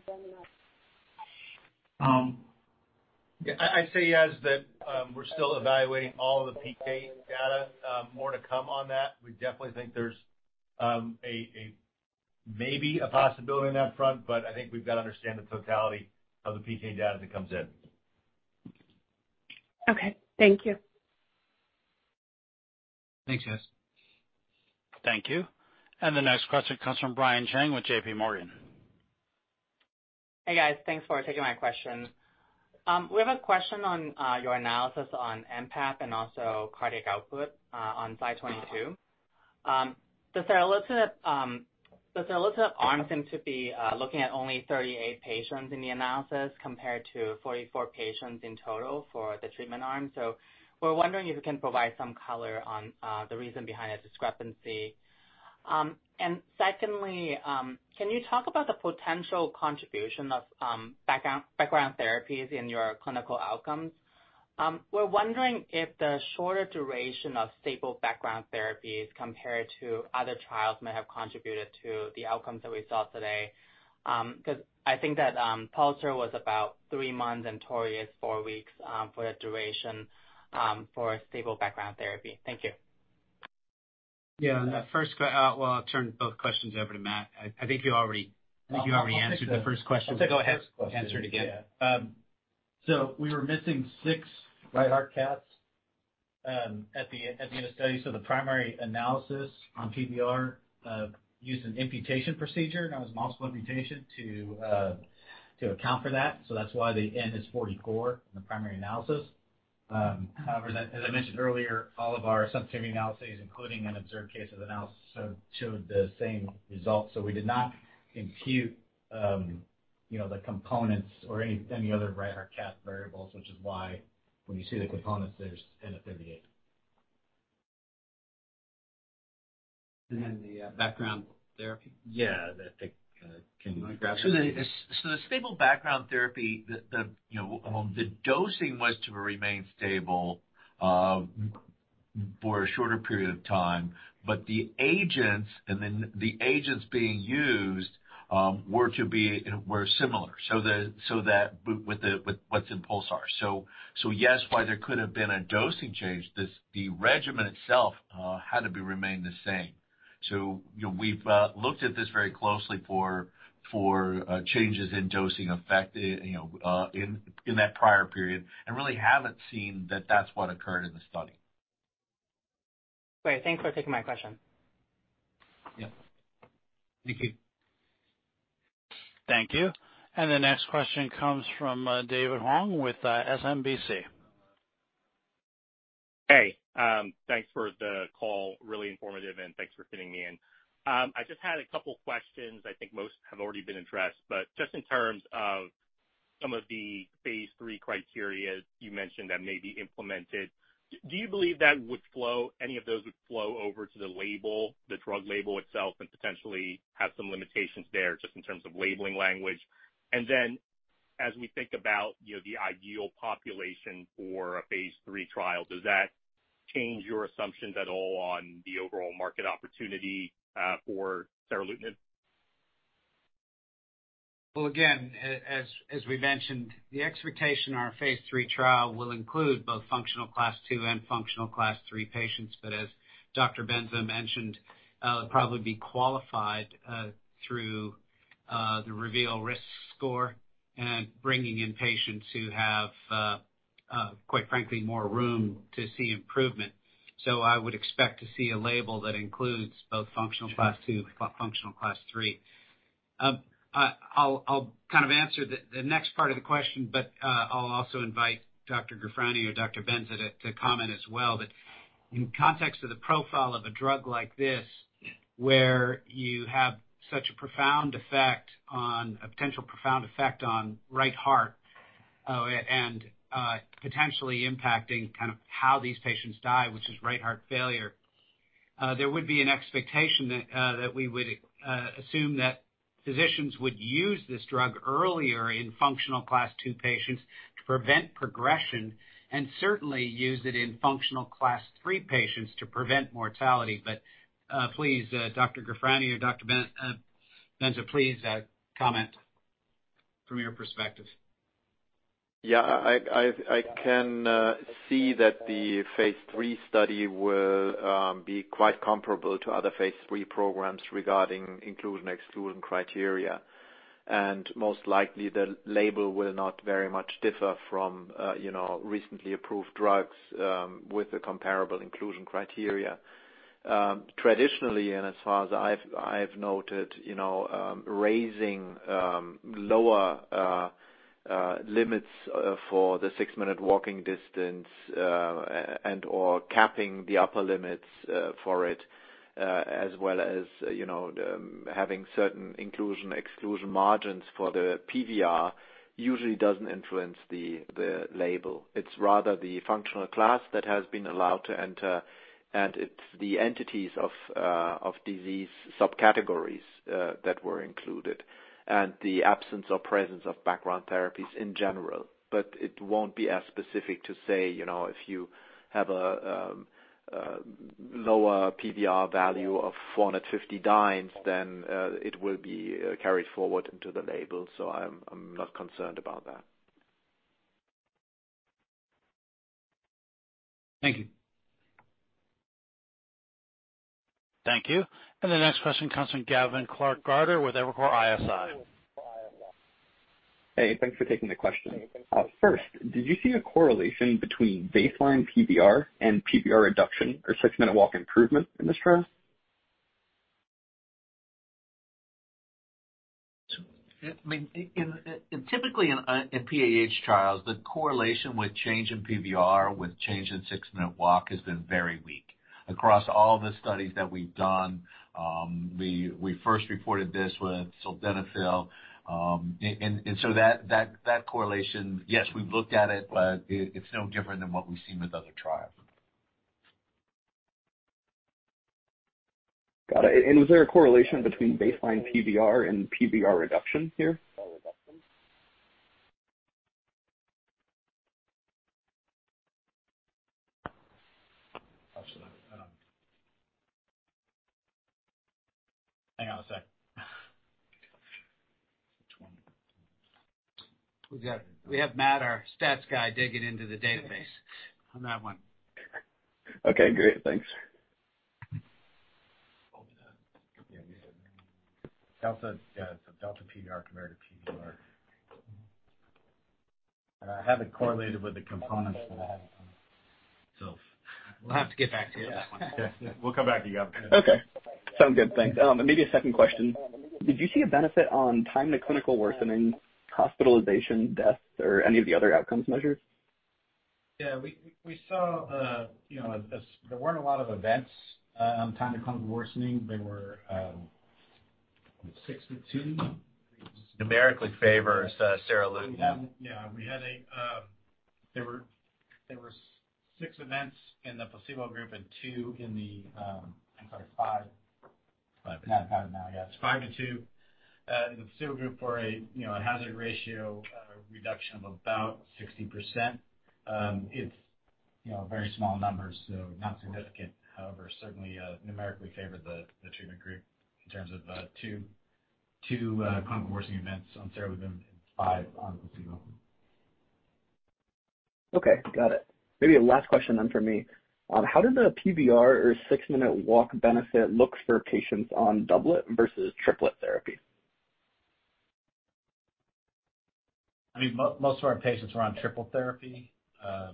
I say yes, that, we're still evaluating all the PK data. More to come on that. We definitely think there's a maybe a possibility on that front, but I think we've got to understand the totality of the PK data that comes in. Okay. Thank you. Thanks, guys. Thank you. The next question comes from Brian Cheng with JP Morgan. Hey, guys. Thanks for taking my question. We have a question on your analysis on MPAP and also cardiac output on CY 22. The Seralutinib arm seem to be looking at only 38 patients in the analysis compared to 44 patients in total for the treatment arm. We're wondering if you can provide some color on the reason behind the discrepancy. Secondly, can you talk about the potential contribution of background therapies in your clinical outcomes? We're wondering if the shorter duration of stable background therapies compared to other trials may have contributed to the outcomes that we saw today. 'Cause I think that PULSAR was about three months and TORREY is four weeks for the duration for stable background therapy. Thank you. Yeah. Well, I'll turn both questions over to Matt. I think you. I'll take. You already answered the first question. I'll take the first question. Go ahead. Answer it again. Yeah. We were missing six right heart caths at the end of study, the primary analysis on PVR used an imputation procedure, now it's multiple imputation, to account for that. That's why the N is 44 in the primary analysis. However, as I mentioned earlier, all of our substantive analyses, including an observed cases analysis showed the same results. We did not compute, you know, the components or any other right heart cath variables, which is why when you see the components, there's N of 38. The background therapy. Yeah. Can you grab that? The stable background therapy, you know, the dosing was to remain stable for a shorter period of time, but the agents and then the agents being used were similar. That with what's in PULSAR. Yes, while there could have been a dosing change, this, the regimen itself had to be remained the same. You know, we've looked at this very closely for changes in dosing effect, you know, in that prior period, and really haven't seen that that's what occurred in the study. Great. Thanks for taking my question. Yeah. Thank you. Thank you. The next question comes from David Hong with SMBC. Hey, thanks for the call. Really informative, and thanks for fitting me in. I just had a couple questions. I think most have already been addressed, but just in terms of some of the phase three criteria you mentioned that may be implemented, do you believe that would flow, any of those would flow over to the label, the drug label itself, and potentially have some limitations there just in terms of labeling language? And then as we think about, you know, the ideal population for a phase three trial, does that change your assumptions at all on the overall market opportunity for Seralutinib? Well, again, as we mentioned, the expectation on our phase 3 trial will include both functional class 2 and functional class 3 patients, but as Dr. Benza mentioned, would probably be qualified through the REVEAL 2.0 and bringing in patients who have, quite frankly, more room to see improvement. I would expect to see a label that includes both functional class 2, functional class 3. I'll, I'll kind of answer the next part of the question, but I'll also invite Dr. Grafrani or Dr. Benza to comment as well. In context of the profile of a drug like this, where you have such a profound effect on... A potential profound effect on right heart, and potentially impacting kind of how these patients die, which is right heart failure, there would be an expectation that we would assume that physicians would use this drug earlier in functional class two patients to prevent progression, and certainly use it in functional class 3 patients to prevent mortality. Please, Dr. Ghofrani or Dr. Benza, please comment from your perspective. Yeah, I can see that the phase three study will be quite comparable to other phase three programs regarding include and exclude criteria. Most likely, the label will not very much differ from, you know, recently approved drugs with the comparable inclusion criteria. Traditionally, and as far as I've noted, you know, raising lower limits for the six-minute walking distance and/or capping the upper limits for it, as well as, you know, having certain inclusion/exclusion margins for the PVR usually doesn't influence the label. It's rather the functional class that has been allowed to enter, and it's the entities of disease subcategories that were included, and the absence or presence of background therapies in general. It won't be as specific to say, you know, if you have a lower PVR value of 450 dynes, then it will be carried forward into the label. I'm not concerned about that. Thank you. Thank you. The next question comes from Gavin Clark-Gartner with Evercore ISI. Hey, thanks for taking the question. First, did you see a correlation between baseline PVR and PVR reduction or six-minute walk improvement in this trial? I mean, in typically in PAH trials, the correlation with change in PVR, with change in six-minute walk has been very weak. Across all the studies that we've done, we first reported this with sildenafil, and so that correlation, yes, we've looked at it, but it's no different than what we've seen with other trials. Got it. Was there a correlation between baseline PVR and PVR reduction here? Absolutely. Hang on a sec. Which one? We have Matt, our stats guy, digging into the database on that one. Okay, great. Thanks. Yeah. Delta, yeah. Delta PVR compared to PVR. I have it correlated with the components. We'll have to get back to you on that one. We'll come back to you, Gavin. Okay. Sounds good. Thanks. Maybe a second question. Did you see a benefit on time to clinical worsening, hospitalization, deaths, or any of the other outcomes measures? Yeah, we saw, you know, There weren't a lot of events on time to clinical worsening. There were six for two. Numerically favor, Seralutinib. We have. Yeah. There were six events in the placebo group and two in the. I'm sorry, five. Five. Got it now. Yeah. It's five to two in the placebo group for a, you know, a hazard ratio reduction of about 60%. It's, you know, very small numbers, so not significant. However, certainly, numerically favored the treatment group in terms of two clinical worsening events on Seralutinib and five on placebo. Okay. Got it. Maybe a last question then from me. How does the PVR or six-minute walk benefit looks for patients on doublet versus triplet therapy? I mean, most of our patients are on triple therapy. I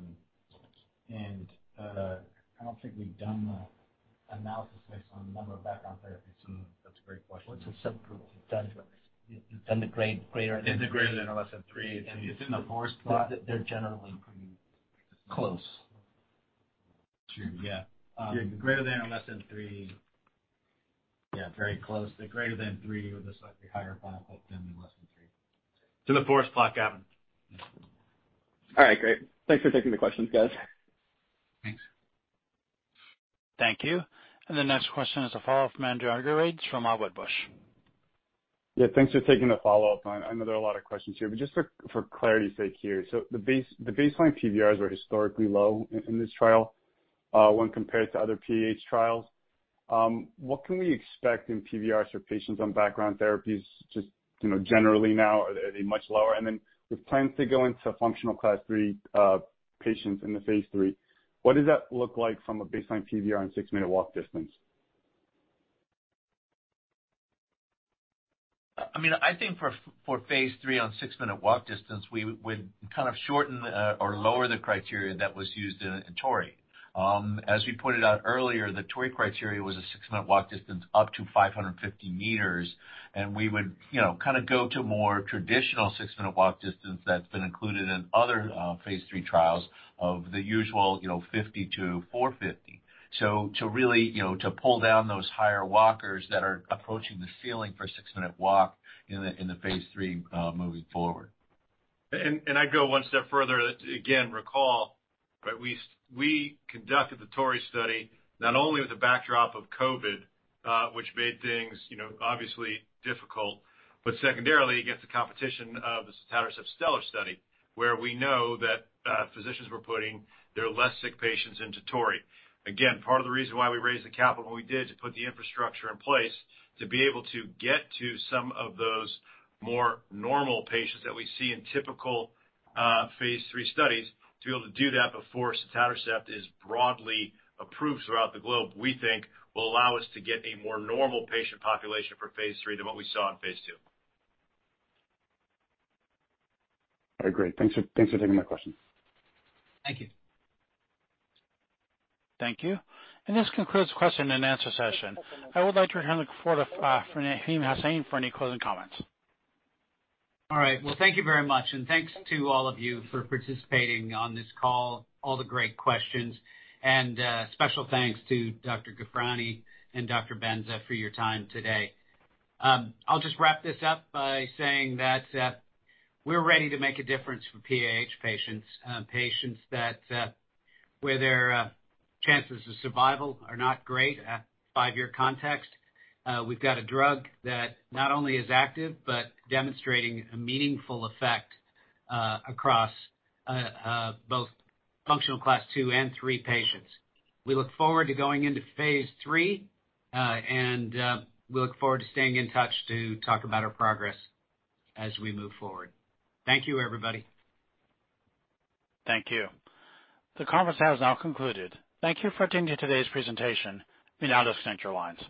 don't think we've done the analysis based on number of background therapies. That's a great question. What's the subgroup that's done the grade, greater than-? In the greater than or less than three, it's in the forest plot. They're generally pretty close. True. Yeah. Greater than or less than three. Yeah, very close. The greater than three with a slightly higher byproduct than the less than three. To the forest plot, Gavin. All right. Great. Thanks for taking the questions, guys. Thanks. Thank you. The next question is a follow-up from Andreas Argyrides from Wedbush Securities. Yeah, thanks for taking the follow-up. I know there are a lot of questions here, but just for clarity's sake here. The baseline PVRs were historically low in this trial, when compared to other PAH trials. What can we expect in PVRs for patients on background therapies just, you know, generally now? Are they much lower? With plans to go into functional Class three, patients in the phase three, what does that look like from a baseline PVR and 6-minute walk distance? I mean, I think for Phase three on six-minute walk distance, we would kind of shorten, or lower the criteria that was used in TORREY. As we pointed out earlier, the TORREY criteria was a six-minute walk distance up to 550 meters, and we would, you know, kinda go to more traditional six-minute walk distance that's been included in other Phase three trials of the usual, you know, 50-450 meters. To really, you know, to pull down those higher walkers that are approaching the ceiling for a six-minute walk in the Phase three, moving forward. I'd go one step further. again, recall that we conducted the TORREY study not only with the backdrop of COVID-19, which made things, you know, obviously difficult, but secondarily, against the competition of the sotatercept STELLAR study, where we know that physicians were putting their less sick patients into TORREY. part of the reason why we raised the capital when we did to put the infrastructure in place to be able to get to some of those more normal patients that we see in typical Phase three studies, to be able to do that before sotatercept is broadly approved throughout the globe, we think will allow us to get a more normal patient population for Phase three than what we saw in Phase two. All right. Great. Thanks for taking my question. Thank you. Thank you. And this concludes the question and answer session. I would like to hand the floor to Faheem Hasnain for any closing comments. All right. Well, thank you very much, thanks to all of you for participating on this call, all the great questions. Special thanks to Dr. Ghofrani and Dr. Benza for your time today. I'll just wrap this up by saying that we're ready to make a difference for PAH patients that where their chances of survival are not great at 5-year context. We've got a drug that not only is active, but demonstrating a meaningful effect across both functional Class two and three patients. We look forward to going into phase III, and we look forward to staying in touch to talk about our progress as we move forward. Thank you, everybody. Thank you. The conference has now concluded. Thank you for attending today's presentation. You may now disconnect your lines.